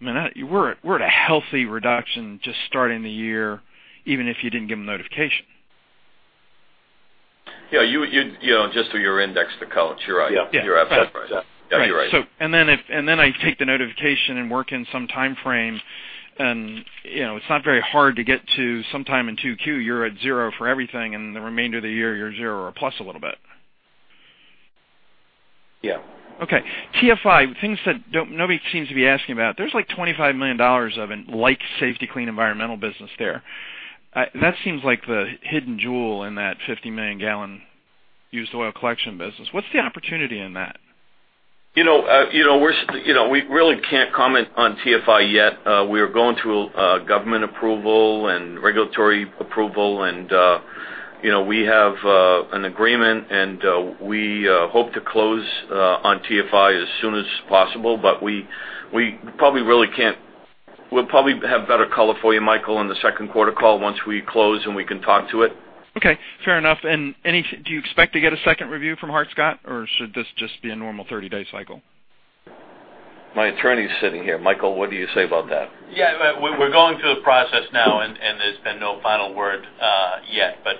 I mean, we're at a healthy reduction just starting the year, even if you didn't give them notification. Yeah. Just so you're indexed to count. You're right. You're absolutely right. Yeah. You're right. And then I take the notification and work in some time frame, and it's not very hard to get to sometime in 2Q, you're at zero for everything, and the remainder of the year, you're zero or plus a little bit. Yeah. Okay. TFI, things that nobody seems to be asking about. There's like $25 million of it, like Safety-Kleen Environmental business there. That seems like the hidden jewel in that 50-million-gallon used oil collection business. What's the opportunity in that? We really can't comment on TFI yet. We are going through government approval and regulatory approval, and we have an agreement, and we hope to close on TFI as soon as possible. But we probably really can't—we'll probably have better color for you, Michael, in the second quarter call once we close and we can talk to it. Okay. Fair enough. And do you expect to get a second review from Hart-Scott, or should this just be a normal 30-day cycle? My attorney's sitting here. Michael, what do you say about that? Yeah. We're going through the process now, and there's been no final word yet, but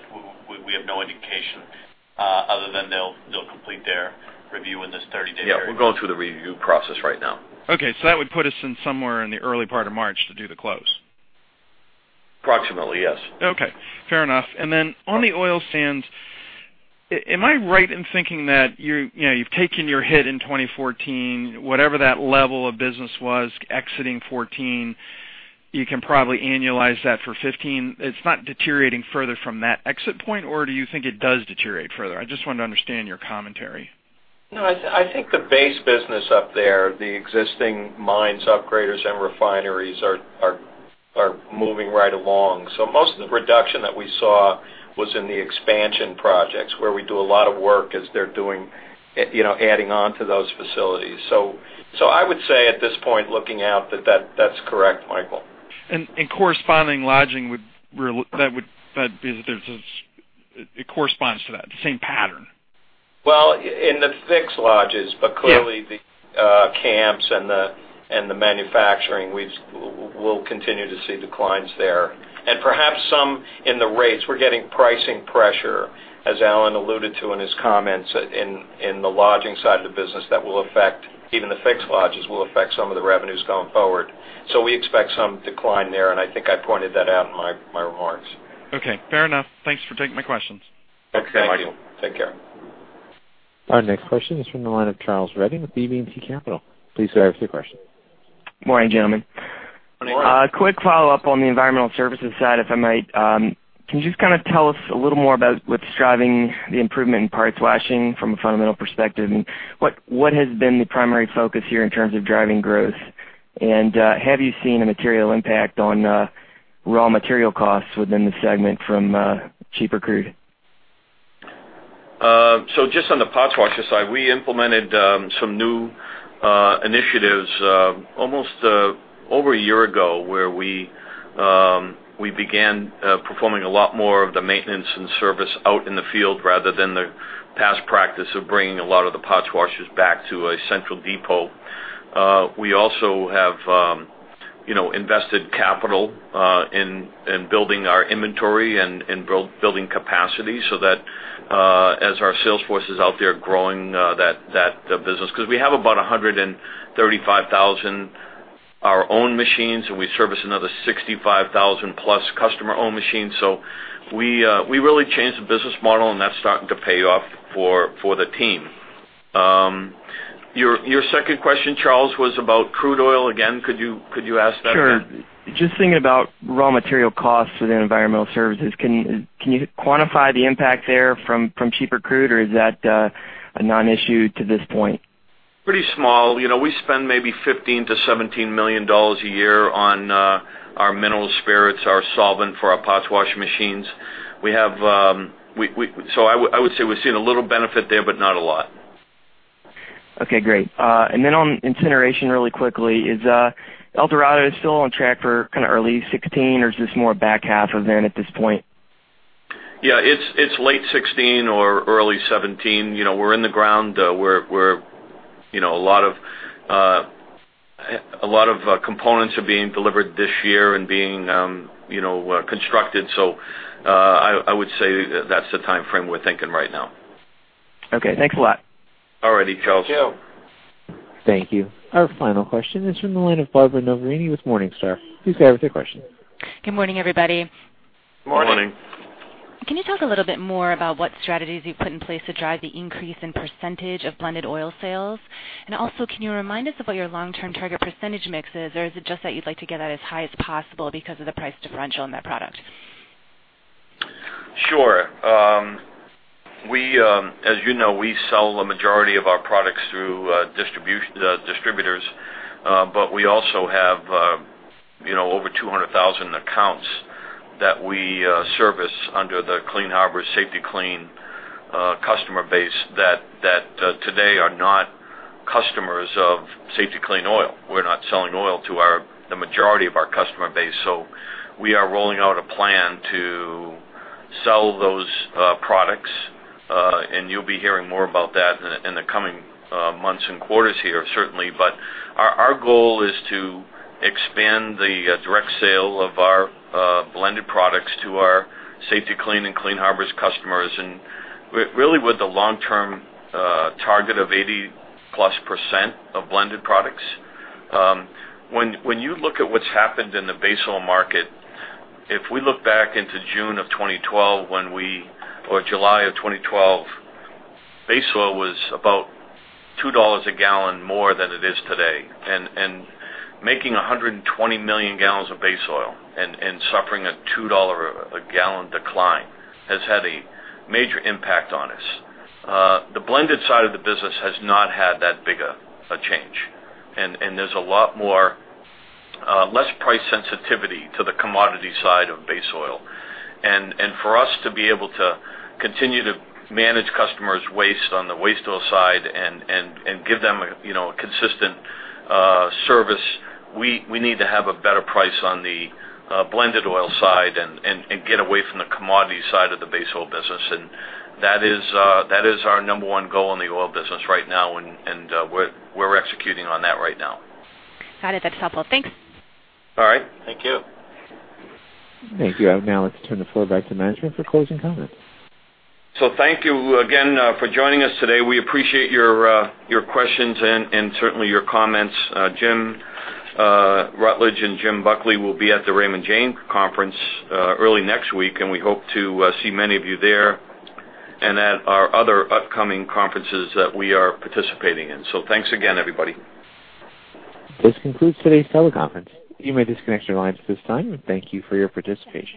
we have no indication other than they'll complete their review in this 30-day period. Yeah. We're going through the review process right now. Okay. So that would put us in somewhere in the early part of March to do the close. Approximately. Yes. Okay. Fair enough. And then on the oil sands, am I right in thinking that you've taken your hit in 2014, whatever that level of business was, exiting 2014, you can probably annualize that for 2015? It's not deteriorating further from that exit point, or do you think it does deteriorate further? I just want to understand your commentary. No. I think the base business up there, the existing mines, upgraders, and refineries are moving right along. So most of the reduction that we saw was in the expansion projects where we do a lot of work as they're doing adding on to those facilities. So I would say at this point, looking out, that that's correct, Michael. And corresponding lodging, that corresponds to that, the same pattern. Well, in the fixed lodges, but clearly the camps and the manufacturing, we'll continue to see declines there. And perhaps some in the rates. We're getting pricing pressure, as Alan alluded to in his comments in the lodging side of the business, that will affect even the fixed lodges will affect some of the revenues going forward. So we expect some decline there, and I think I pointed that out in my remarks. Okay. Fair enough. Thanks for taking my questions. Thank you. Take care. Our next question is from the line of Charles Redding with BB&T Capital Markets. Please go ahead with your question. Morning, gentlemen. Morning. A quick follow-up on the environmental services side, if I might. Can you just kind of tell us a little more about what's driving the improvement in parts washer from a fundamental perspective? And what has been the primary focus here in terms of driving growth? And have you seen a material impact on raw material costs within the segment from cheaper crude? So just on the parts washer side, we implemented some new initiatives almost over a year ago where we began performing a lot more of the maintenance and service out in the field rather than the past practice of bringing a lot of the parts washers back to a central depot. We also have invested capital in building our inventory and building capacity so that as our sales force is out there growing that business because we have about 135,000 of our own machines, and we service another 65,000-plus customer-owned machines. So we really changed the business model, and that's starting to pay off for the team. Your second question, Charles, was about crude oil. Again, could you ask that? Sure. Just thinking about raw material costs for the environmental services, can you quantify the impact there from cheaper crude, or is that a non-issue to this point? Pretty small. We spend maybe $15 million-$17 million a year on our mineral spirits, our solvent for our parts wash machines. So I would say we've seen a little benefit there, but not a lot. Okay. Great. And then on incineration, really quickly, is El Dorado still on track for kind of early 2016, or is this more back half of 2016 at this point? Yeah. It's late 2016 or early 2017. We're in the ground. A lot of components are being delivered this year and being constructed. So I would say that's the time frame we're thinking right now. Okay. Thanks a lot. All righty, Charles. Thank you. Our final question is from the line of Barbara Noverini with Morningstar. Please go ahead with your question. Good morning, everybody. Good morning. Good morning. Can you talk a little bit more about what strategies you've put in place to drive the increase in percentage of blended oil sales? Also, can you remind us of what your long-term target percentage mix is, or is it just that you'd like to get that as high as possible because of the price differential in that product? Sure. As you know, we sell the majority of our products through distributors, but we also have over 200,000 accounts that we service under the Clean Harbors Safety-Kleen customer base that today are not customers of Safety-Kleen oil. We're not selling oil to the majority of our customer base. So we are rolling out a plan to sell those products, and you'll be hearing more about that in the coming months and quarters here, certainly. But our goal is to expand the direct sale of our blended products to our Safety-Kleen and Clean Harbors' customers and really with the long-term target of 80%+ of blended products. When you look at what's happened in the base oil market, if we look back into June of 2012 or July of 2012, base oil was about $2 a gallon more than it is today. And making 120 million gallons of base oil and suffering a $2 a gallon decline has had a major impact on us. The blended side of the business has not had that big of a change. And there's a lot more less price sensitivity to the commodity side of base oil. And for us to be able to continue to manage customers' waste on the waste oil side and give them a consistent service, we need to have a better price on the blended oil side and get away from the commodity side of the base oil business. That is our number one goal in the oil business right now, and we're executing on that right now. Got it. That's helpful. Thanks. All right. Thank you. Thank you. Now, let's turn the floor back to management for closing comments. Thank you again for joining us today. We appreciate your questions and certainly your comments. Jim Rutledge and Jim Buckley will be at the Raymond James Conference early next week, and we hope to see many of you there and at our other upcoming conferences that we are participating in. Thanks again, everybody. This concludes today's teleconference. You may disconnect your lines at this time. Thank you for your participation.